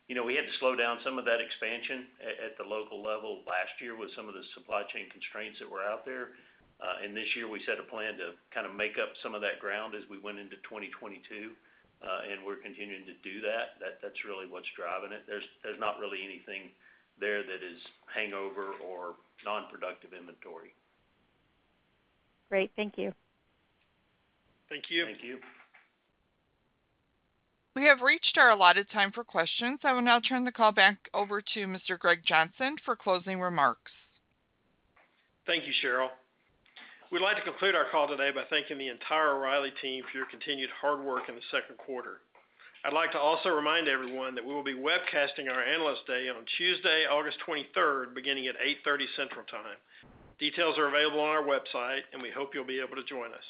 Speaker 14: We had to slow down some of that expansion at the local level last year with some of the supply chain constraints that were out there. This year, we set a plan to kind of make up some of that ground as we went into 2022, and we're continuing to do that. That's really what's driving it. There's not really anything there that is hangover or non-productive inventory.
Speaker 13: Great. Thank you.
Speaker 3: Thank you.
Speaker 2: Thank you.
Speaker 1: We have reached our allotted time for questions. I will now turn the call back over to Mr. Greg Johnson for closing remarks.
Speaker 3: Thank you, Cheryl. We'd like to conclude our call today by thanking the entire O'Reilly team for your continued hard work in Q2. I'd like to also remind everyone that we will be webcasting our Analyst Day on Tuesday, August 23, beginning at 8:30 A.M. Central Time. Details are available on our website, and we hope you'll be able to join us.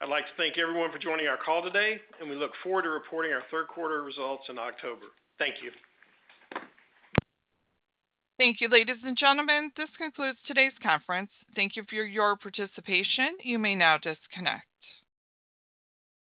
Speaker 3: I'd like to thank everyone for joining our call today, and we look forward to reporting our Q3 results in October. Thank you.
Speaker 1: Thank you, ladies and gentlemen. This concludes today's conference. Thank you for your participation. You may now disconnect.